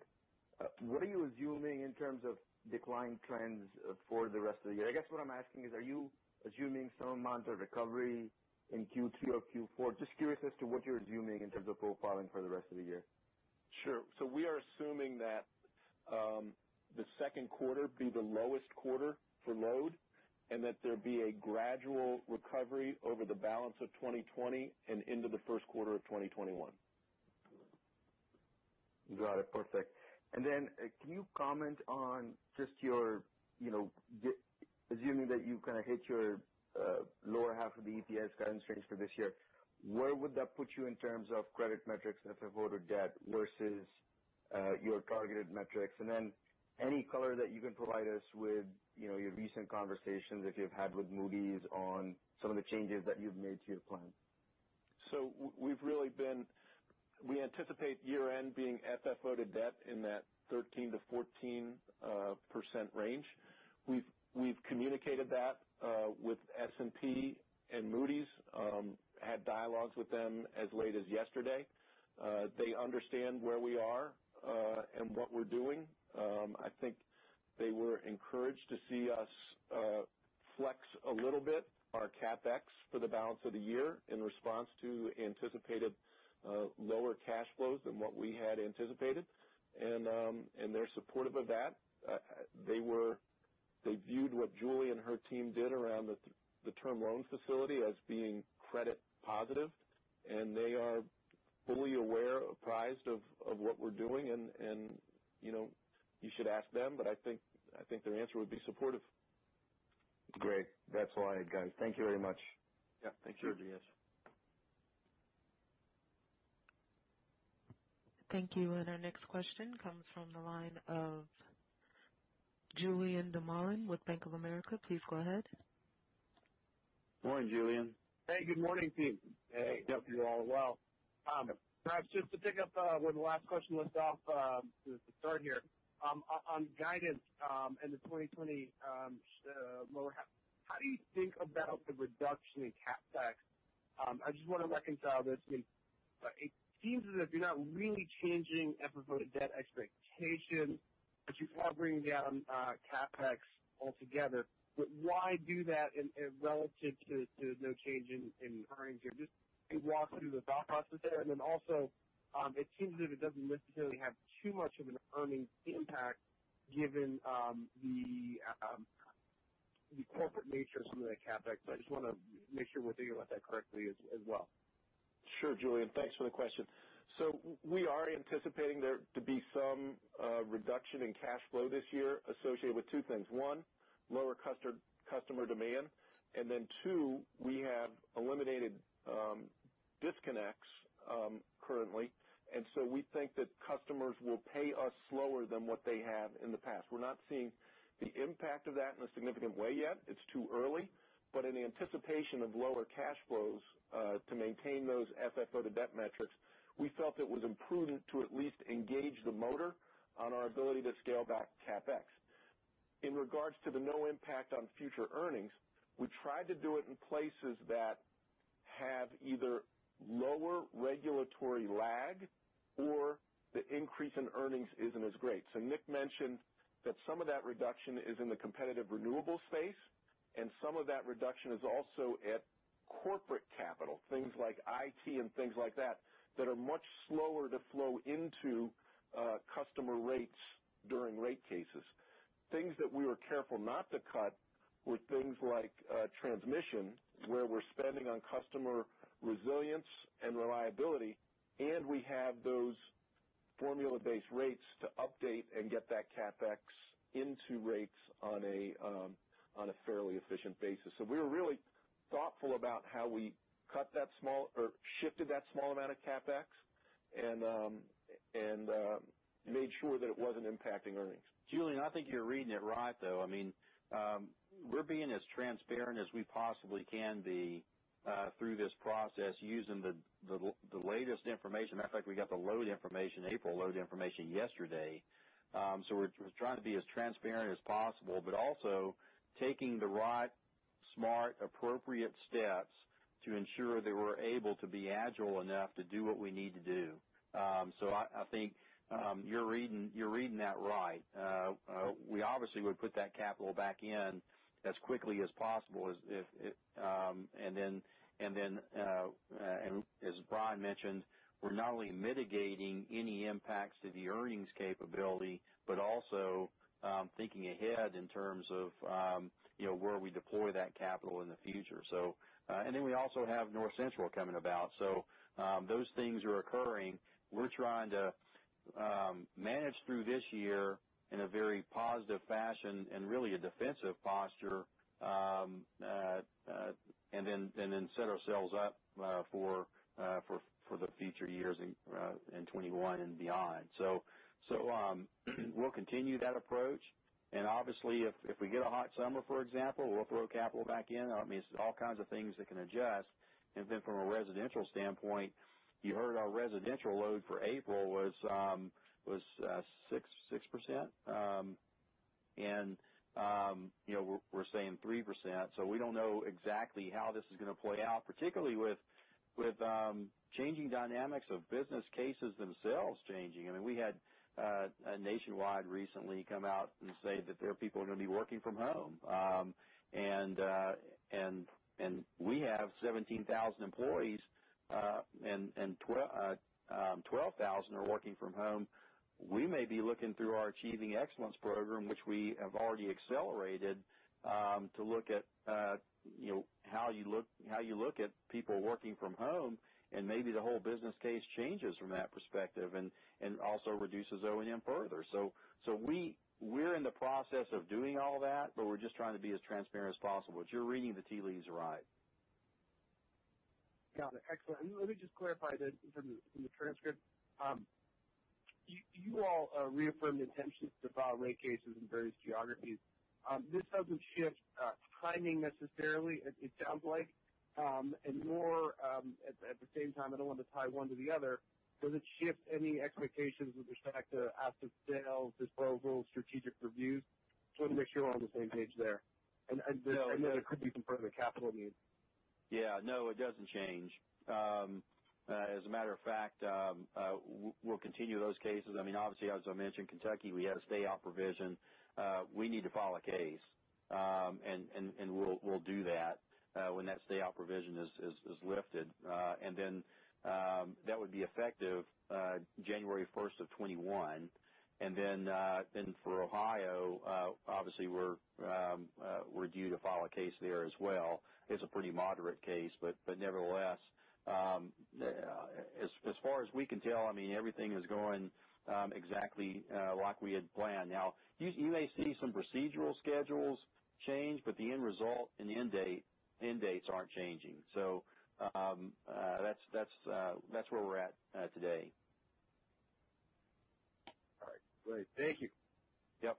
What are you assuming in terms of decline trends for the rest of the year? I guess what I'm asking is, are you assuming some amount of recovery in Q2 or Q4? Just curious as to what you're assuming in terms of profiling for the rest of the year. Sure. We are assuming that Q2 be the lowest quarter for load, that there be a gradual recovery over the balance of 2020 and into Q1 of 2021. Got it. Perfect. Can you comment on just your, assuming that you kind of hit your lower half of the EPS guidance range for this year, where would that put you in terms of credit metrics and FFO to debt versus your targeted metrics? Any color that you can provide us with your recent conversations that you've had with Moody's on some of the changes that you've made to your plan. We anticipate year-end being FFO to debt in that 13%-14% range. We've communicated that with S&P and Moody's. Had dialogues with them as late as yesterday. They understand where we are and what we're doing. I think they were encouraged to see us flex a little bit our CapEx for the balance of the year in response to anticipated lower cash flows than what we had anticipated. They're supportive of that. They viewed what Julie and her team did around the term loans facility as being credit positive, and they are fully aware, apprised of what we're doing, and you should ask them, but I think their answer would be supportive. Great. That's all I had, guys. Thank you very much. Yeah. Thank you, Durgesh. Thank you. Our next question comes from the line of Julien Dumoulin-Smith with Bank of America. Please go ahead. Morning, Julien. Hey, good morning, team. Hey. Hope you're all well. Perhaps just to pick up where the last question was off to start here. On guidance in the 2020 lower half, how do you think about the reduction in CapEx? I just want to reconcile this. I mean, it seems as if you're not really changing FFO to debt expectation, but you are bringing down CapEx altogether. Why do that relative to no change in earnings here? Just maybe walk through the thought process there. Also, it seems as if it doesn't necessarily have too much of an earnings impact given the corporate nature of some of that CapEx. I just want to make sure we're thinking about that correctly as well. Sure, Julien. Thanks for the question. We are anticipating there to be some reduction in cash flow this year associated with two things. One, lower customer demand, and then two, we have eliminated disconnects currently. We think that customers will pay us slower than what they have in the past. We're not seeing the impact of that in a significant way yet. It's too early. In anticipation of lower cash flows to maintain those FFO to debt metrics, we felt it was imprudent to at least engage the motor on our ability to scale back CapEx. In regards to the no impact on future earnings, we tried to do it in places that have either lower regulatory lag or the increase in earnings isn't as great. Nick mentioned that some of that reduction is in the competitive renewable space, and some of that reduction is also at corporate capital, things like IT and things like that are much slower to flow into customer rates during rate cases. Things that we were careful not to cut were things like transmission, where we're spending on customer resilience and reliability, and we have those formula-based rates to update and get that CapEx into rates on a fairly efficient basis. We were really thoughtful about how we shifted that small amount of CapEx and made sure that it wasn't impacting earnings. Julien, I think you're reading it right, though. I mean, we're being as transparent as we possibly can be through this process using the latest information. Matter of fact, we got the load information, April load information yesterday. We're trying to be as transparent as possible, but also taking the right smart, appropriate steps to ensure that we're able to be agile enough to do what we need to do. I think you're reading that right. We obviously would put that capital back in as quickly as possible. As Brian mentioned. We're not only mitigating any impacts to the earnings capability, but also thinking ahead in terms of where we deploy that capital in the future. We also have North Central Wind coming about. Those things are occurring. We're trying to manage through this year in a very positive fashion and really a defensive posture, set ourselves up for the future years in 2021 and beyond. We'll continue that approach. Obviously, if we get a hot summer, for example, we'll throw capital back in. There's all kinds of things that can adjust. From a residential standpoint, you heard our residential load for April was 6%, and we're saying 3%. We don't know exactly how this is going to play out, particularly with changing dynamics of business cases themselves changing. We had Nationwide recently come out and say that their people are going to be working from home. We have 17,000 employees, and 12,000 are working from home. We may be looking through our Achieving Excellence program, which we have already accelerated to look at how you look at people working from home, and maybe the whole business case changes from that perspective and also reduces O&M further. We're in the process of doing all that, but we're just trying to be as transparent as possible. You're reading the tea leaves right. Got it. Excellent. Let me just clarify this from the transcript. You all reaffirmed the intentions to file rate cases in various geographies. This doesn't shift timing necessarily, it sounds like. More, at the same time, I don't want to tie one to the other. Does it shift any expectations with respect to asset sales, disposals, strategic reviews? Just want to make sure we're on the same page there. No. That it could be some further capital needs. Yeah. No, it doesn't change. As a matter of fact, we'll continue those cases. Obviously, as I mentioned, Kentucky, we had a stay out provision. We need to file a case. We'll do that when that stay out provision is lifted. That would be effective January 1st of 2021. For Ohio, obviously, we're due to file a case there as well. It's a pretty moderate case, but nevertheless. As far as we can tell, everything is going exactly like we had planned. Now, you may see some procedural schedules change, but the end result and end dates aren't changing. That's where we're at today. All right. Great. Thank you. Yep.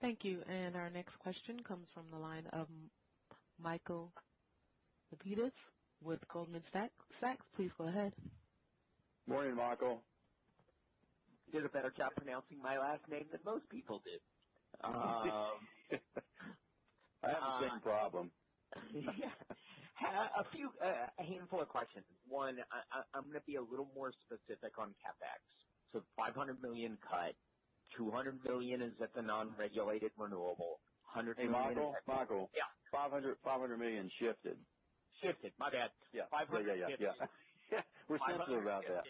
Thank you. Our next question comes from the line of Michael Lapides with Goldman Sachs. Please go ahead. Morning, Michael. You did a better job pronouncing my last name than most people did. I have the same problem. A handful of questions. One, I'm going to be a little more specific on CapEx. $500 million cut, $200 million is at the non-regulated renewable. Hey, Michael. Yeah. $500 million shifted. Shifted. My bad. Yeah. 500 shifted. Yeah. We're sensitive about that.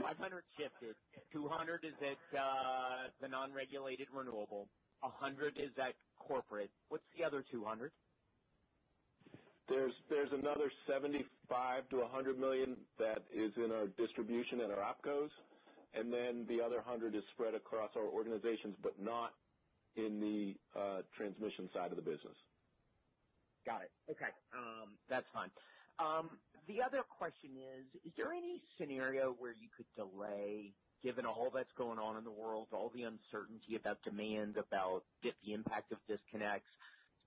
$500 shifted. $200 is at the non-regulated renewable. $100 is at corporate. What's the other $200? There's another $75 million-$100 million that is in our distribution at our OPCOs. The other $100 million is spread across our organizations, but not in the transmission side of the business. Got it. Okay. That's fine. The other question is: Is there any scenario where you could delay, given all that's going on in the world, all the uncertainty about demand, about the impact of disconnects,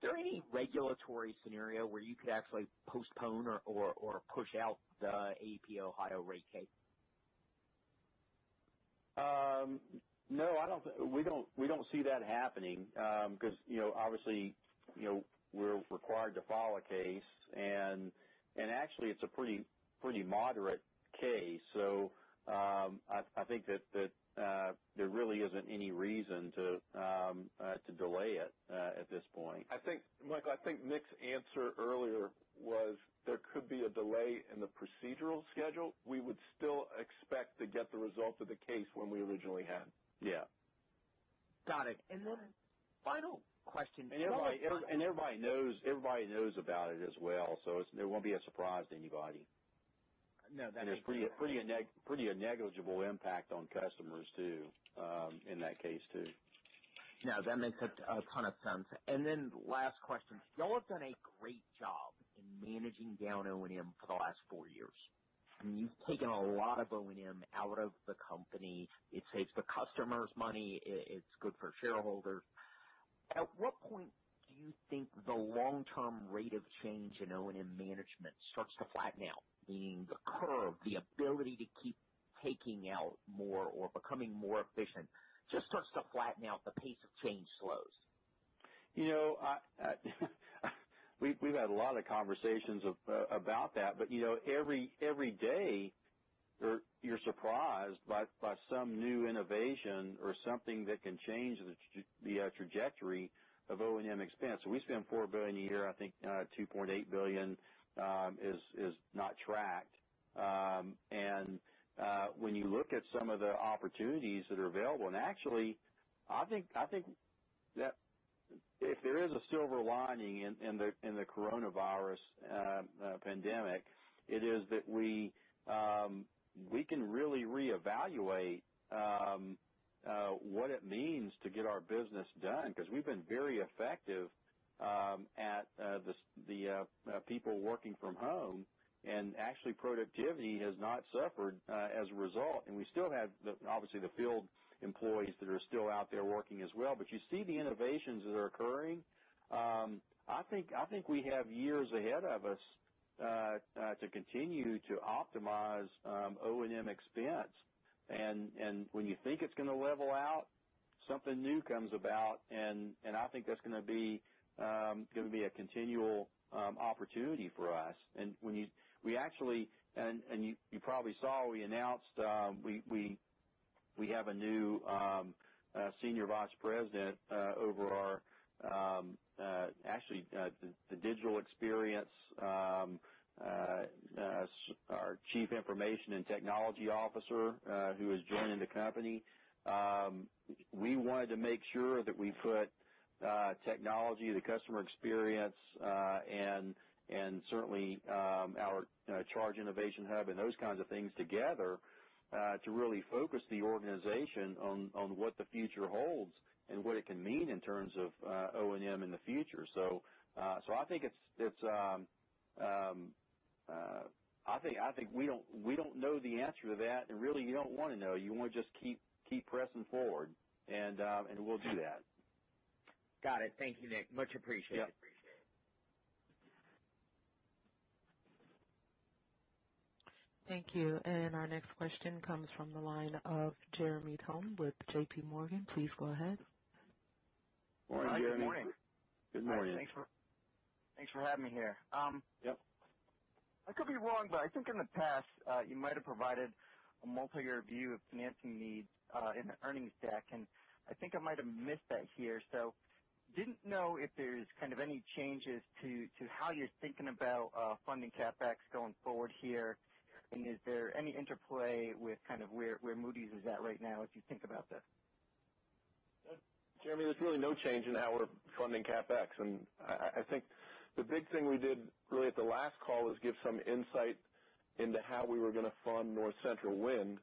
is there any regulatory scenario where you could actually postpone or push out the AEP Ohio rate case? No, we don't see that happening. Obviously, we're required to file a case, and actually it's a pretty moderate case. I think that there really isn't any reason to delay it at this point. Michael, I think Nick's answer earlier was there could be a delay in the procedural schedule. We would still expect to get the result of the case when we originally had. Yeah. Got it. Final question. Everybody knows about it as well, so it won't be a surprise to anybody. No, that makes sense. It's pretty a negligible impact on customers too, in that case, too. No, that makes a ton of sense. Last question. You all have done a great job in managing down O&M for the last four years. You've taken a lot of O&M out of the company. It saves the customers money. It's good for shareholders. At what point do you think the long-term rate of change in O&M management starts to flatten out? Meaning the curve, the ability to keep taking out more or becoming more efficient just starts to flatten out. The pace of change slows. We've had a lot of conversations about that. Every day, you're surprised by some new innovation or something that can change the trajectory of O&M expense. We spend $4 billion a year, I think $2.8 billion is not tracked. When you look at some of the opportunities that are available, and actually, I think that if there is a silver lining in the coronavirus pandemic, it is that we can really reevaluate what it means to get our business done, because we've been very effective at the people working from home, and actually, productivity has not suffered as a result. We still have, obviously, the field employees that are still out there working as well. You see the innovations that are occurring. I think we have years ahead of us to continue to optimize O&M expense. When you think it's going to level out, something new comes about, and I think that's going to be a continual opportunity for us. You probably saw we announced we have a new senior vice president over our, actually, the digital experience, our chief information and technology officer who is joining the company. We wanted to make sure that we put technology, the customer experience, and certainly our charge innovation hub and those kinds of things together to really focus the organization on what the future holds and what it can mean in terms of O&M in the future. I think we don't know the answer to that. Really, you don't want to know. You want to just keep pressing forward, and we'll do that. Got it. Thank you, Nick. Much appreciated. Yep. Thank you. Our next question comes from the line of Jeremy Tonet with JPMorgan. Please go ahead. Morning, Jeremy. Good morning. Good morning. Thanks for having me here. Yep. I could be wrong, but I think in the past you might have provided a multi-year view of financing needs in the earnings deck, and I think I might have missed that here. I didn't know if there's any changes to how you're thinking about funding CapEx going forward here. Is there any interplay with where Moody's is at right now as you think about this? Jeremy, there's really no change in how we're funding CapEx. I think the big thing we did really at the last call is give some insight into how we were going to fund North Central Wind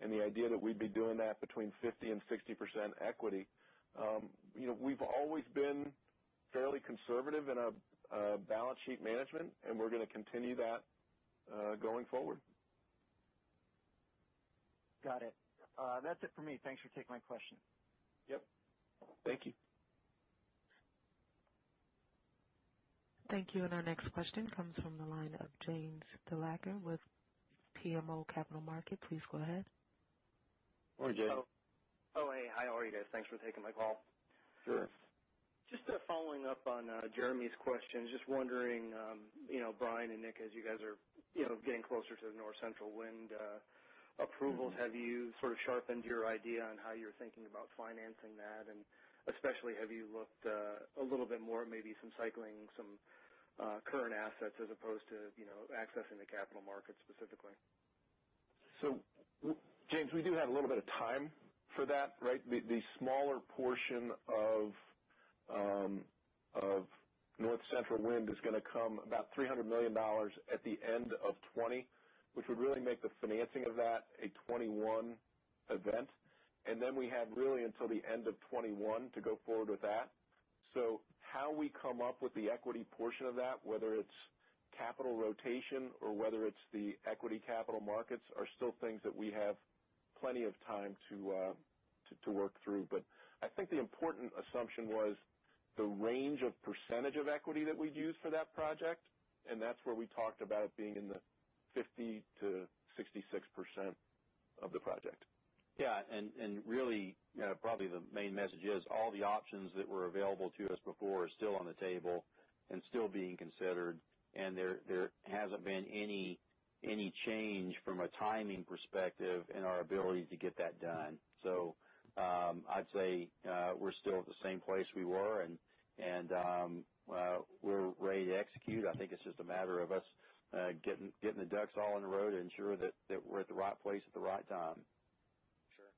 and the idea that we'd be doing that between 50% and 60% equity. We've always been fairly conservative in our balance sheet management, and we're going to continue that going forward. Got it. That's it for me. Thanks for taking my question. Yep. Thank you. Thank you. Our next question comes from the line of James Thalacker with BMO Capital Markets. Please go ahead. Hi, James. Oh, hey. Hi. How are you guys? Thanks for taking my call. Sure. Just following up on Jeremy's question. Just wondering, Brian and Nick, as you guys are getting closer to the North Central Wind approvals, have you sort of sharpened your idea on how you're thinking about financing that? Especially, have you looked a little bit more at maybe some cycling some current assets as opposed to accessing the capital markets specifically? James, we do have a little bit of time for that, right? The smaller portion of North Central Wind is going to come about $300 million at the end of 2020, which would really make the financing of that a 2021 event. Then we have really until the end of 2021 to go forward with that. How we come up with the equity portion of that, whether it's capital rotation or whether it's the equity capital markets, are still things that we have plenty of time to work through. I think the important assumption was the range of percentage of equity that we'd use for that project. That's where we talked about it being in the 50%-66% of the project. Yeah. Really, probably the main message is all the options that were available to us before are still on the table and still being considered. There hasn't been any change from a timing perspective in our ability to get that done. I'd say we're still at the same place we were, and we're ready to execute. I think it's just a matter of us getting the ducks all in a row to ensure that we're at the right place at the right time. Sure.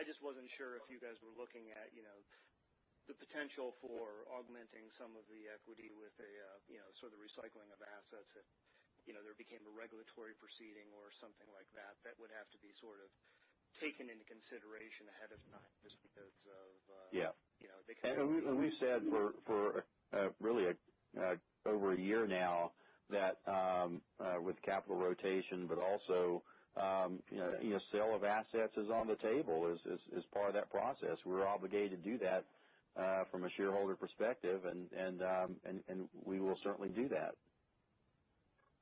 I just wasn't sure if you guys were looking at the potential for augmenting some of the equity with a sort of recycling of assets if there became a regulatory proceeding or something like that. That would have to be sort of taken into consideration ahead of time just because of. Yeah. The kind of- We've said for really over a year now that with capital rotation, but also sale of assets is on the table as part of that process. We're obligated to do that from a shareholder perspective, and we will certainly do that.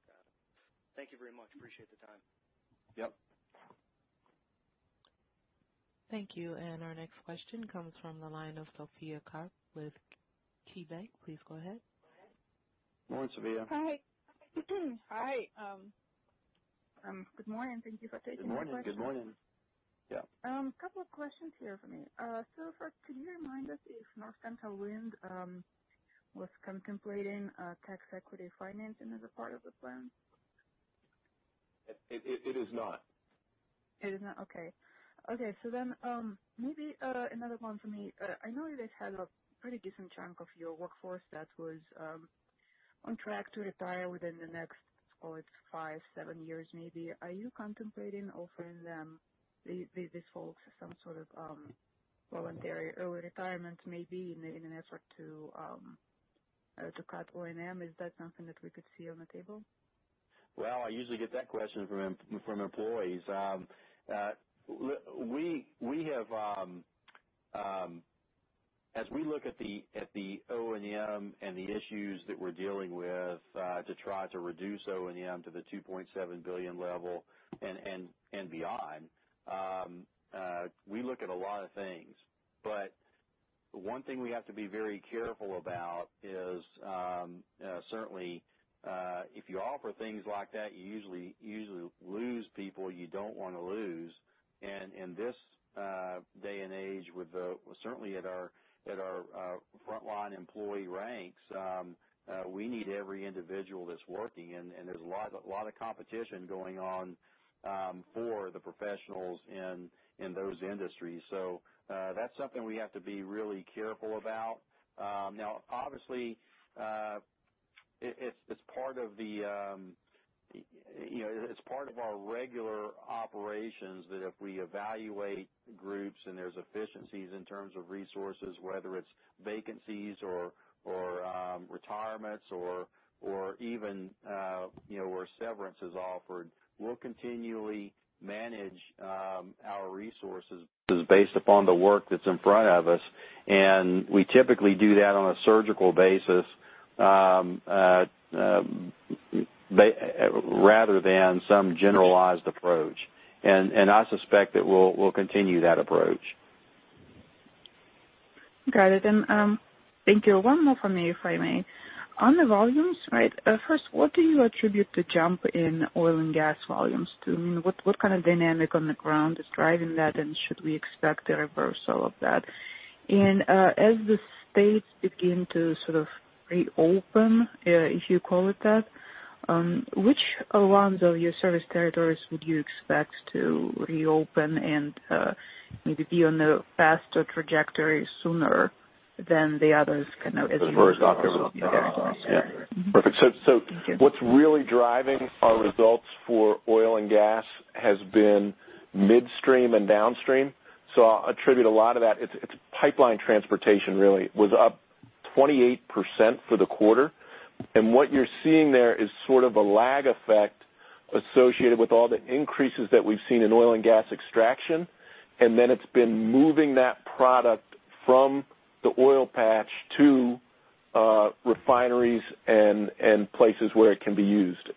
Got it. Thank you very much. Appreciate the time. Yep. Thank you. Our next question comes from the line of Sophie Karp with KeyBanc. Please go ahead. Morning, Sophie. Hi. Hi. Good morning. Thank you for taking my question. Good morning. Good morning. Yeah. A couple of questions here for me. First, can you remind us if North Central Wind was contemplating tax equity financing as a part of the plan? It is not. It is not. Okay, maybe another one for me. I know that you had a pretty decent chunk of your workforce that was on track to retire within the next, call it five, seven years maybe. Are you contemplating offering these folks some sort of voluntary early retirement maybe in an effort to cut O&M? Is that something that we could see on the table? I usually get that question from employees. As we look at the O&M and the issues that we're dealing with to try to reduce O&M to the $2.7 billion level and beyond, we look at a lot of things. One thing we have to be very careful about is, certainly, if you offer things like that, you usually lose people you don't want to lose. In this day and age with certainly at our frontline employee ranks, we need every individual that's working, and there's a lot of competition going on for the professionals in those industries. That's something we have to be really careful about. Now, obviously, it's part of our regular operations that if we evaluate groups and there's efficiencies in terms of resources, whether it's vacancies or retirements or even where severance is offered, we'll continually manage our resources based upon the work that's in front of us, and we typically do that on a surgical basis rather than some generalized approach. I suspect that we'll continue that approach. Got it. Thank you. One more from me, if I may. On the volumes, right? First, what do you attribute the jump in oil and gas volumes to? What kind of dynamic on the ground is driving that, and should we expect a reversal of that? As the states begin to sort of reopen, if you call it that, which ones of your service territories would you expect to reopen and maybe be on a faster trajectory sooner than the others? What's really driving our results for oil and gas has been midstream and downstream. I'll attribute a lot of that. It's pipeline transportation really was up 28% for the quarter. What you're seeing there is sort of a lag effect associated with all the increases that we've seen in oil and gas extraction, and then it's been moving that product from the oil patch to refineries and places where it can be used.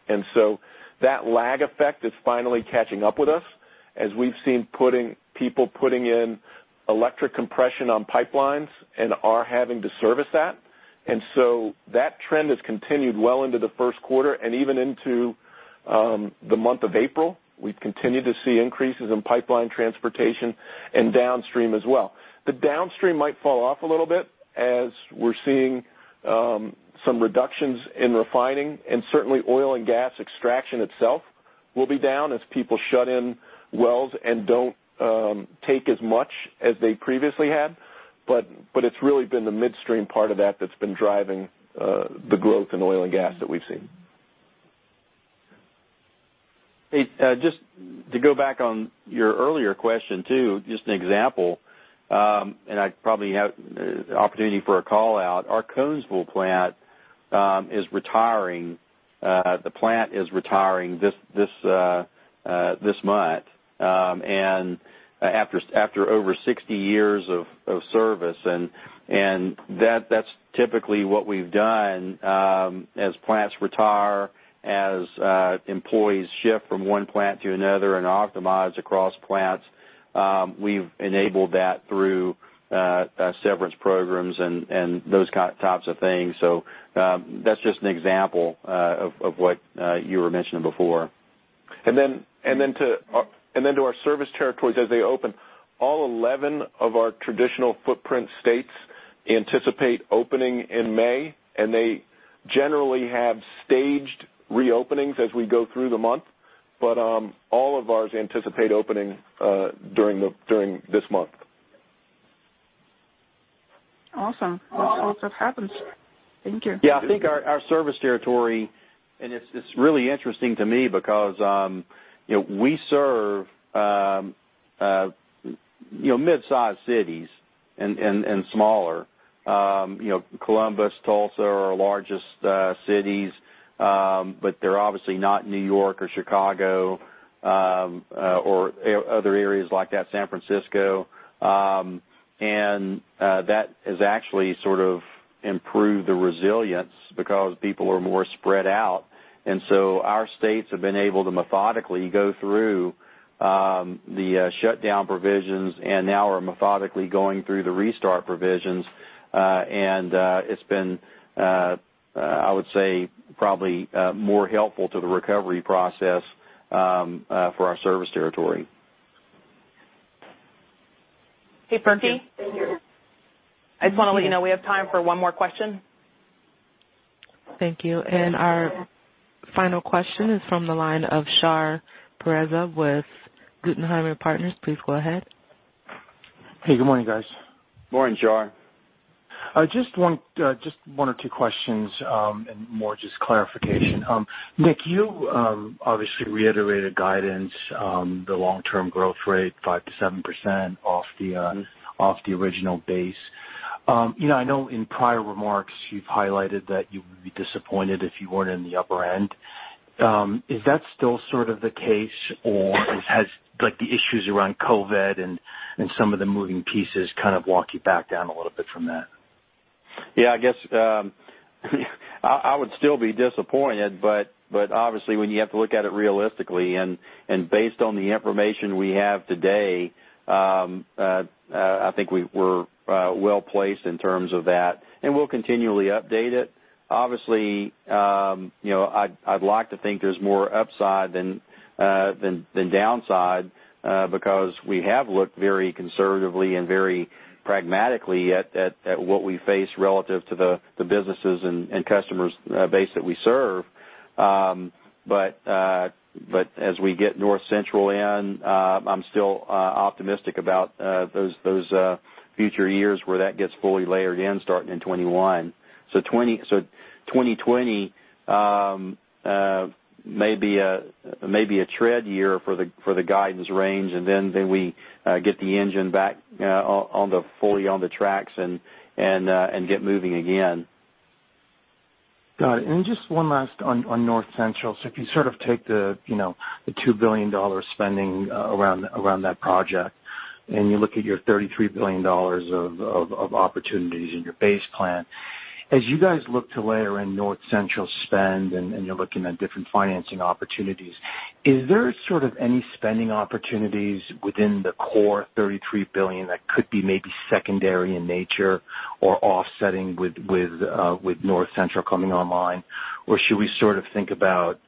That lag effect is finally catching up with us as we've seen people putting in electric compression on pipelines and are having to service that. That trend has continued well into the first quarter and even into the month of April. We've continued to see increases in pipeline transportation and downstream as well. The downstream might fall off a little bit as we're seeing some reductions in refining, certainly oil and gas extraction itself will be down as people shut in wells and don't take as much as they previously had. It's really been the midstream part of that that's been driving the growth in oil and gas that we've seen. Hey, just to go back on your earlier question too, just an example. I probably have the opportunity for a call-out. Our Conesville plant is retiring. The plant is retiring this month, after over 60 years of service. That's typically what we've done as plants retire, as employees shift from one plant to another and optimize across plants. We've enabled that through severance programs and those types of things. That's just an example of what you were mentioning before. To our service territories as they open. All 11 of our traditional footprint states anticipate opening in May, and they generally have staged re-openings as we go through the month. All of ours anticipate opening during this month. Awesome. We'll hope that happens. Thank you. Yeah. I think our service territory, and it's really interesting to me because we serve mid-sized cities and smaller. Columbus, Tulsa are our largest cities, but they're obviously not New York or Chicago or other areas like that, San Francisco. That has actually sort of improved the resilience because people are more spread out. Our states have been able to methodically go through the shutdown provisions and now are methodically going through the restart provisions. It's been, I would say, probably more helpful to the recovery process for our service territory. Hey, Perky? I just want to let you know we have time for one more question. Thank you. Our final question is from the line of Shar Pourreza with Guggenheim Partners. Please go ahead. Hey, good morning, guys. Morning, Shar. Just one or two questions, more just clarification. Nick, you obviously reiterated guidance, the long-term growth rate, 5% to 7% off the original base. I know in prior remarks you've highlighted that you would be disappointed if you weren't in the upper end. Is that still sort of the case, or has the issues around COVID and some of the moving pieces kind of walk you back down a little bit from that? I guess I would still be disappointed, obviously when you have to look at it realistically, based on the information we have today, I think we're well-placed in terms of that, and we'll continually update it. Obviously, I'd like to think there's more upside than downside, because we have looked very conservatively and very pragmatically at what we face relative to the businesses and customers base that we serve. As we get North Central in, I'm still optimistic about those future years where that gets fully layered in starting in 2021. 2020 may be a tread year for the guidance range, then we get the engine back fully on the tracks and get moving again. Got it. Just one last on North Central. If you take the $2 billion spending around that project, and you look at your $33 billion of opportunities in your base plan, as you guys look to layer in North Central spend and you're looking at different financing opportunities, is there sort of any spending opportunities within the core $33 billion that could be maybe secondary in nature or offsetting with North Central coming online? Should we sort of think about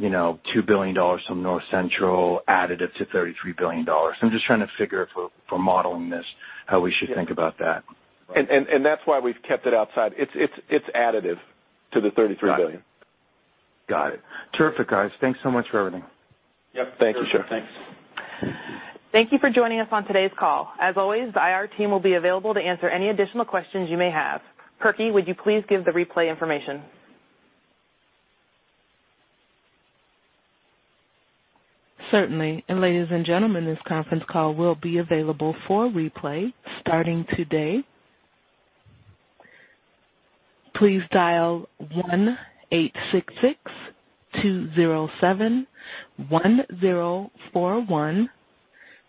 $2 billion from North Central additive to $33 billion? I'm just trying to figure for modeling this, how we should think about that. That's why we've kept it outside. It's additive to the $33 billion. Got it. Terrific, guys. Thanks so much for everything. Yep. Thank you, Shar. Thanks. Thank you for joining us on today's call. As always, the IR team will be available to answer any additional questions you may have. Perky, would you please give the replay information? Certainly. Ladies and gentlemen, this conference call will be available for replay starting today. Please dial 1-866-207-1041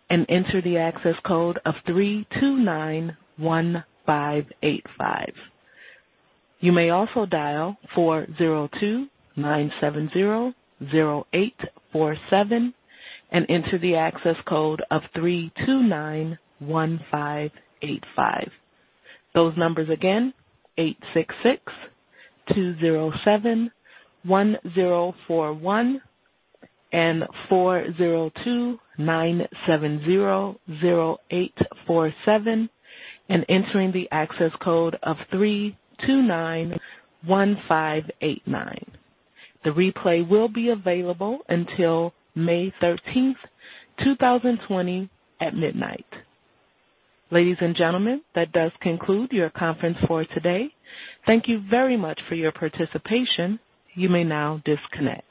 and enter the access code of 3291585. You may also dial 402-970-0847 and enter the access code of 3291585. Those numbers again, 866-207-1041 and 402-970-0847 and entering the access code of 3291585. The replay will be available until May 13th, 2020, at midnight. Ladies and gentlemen, that does conclude your conference for today. Thank you very much for your participation. You may now disconnect.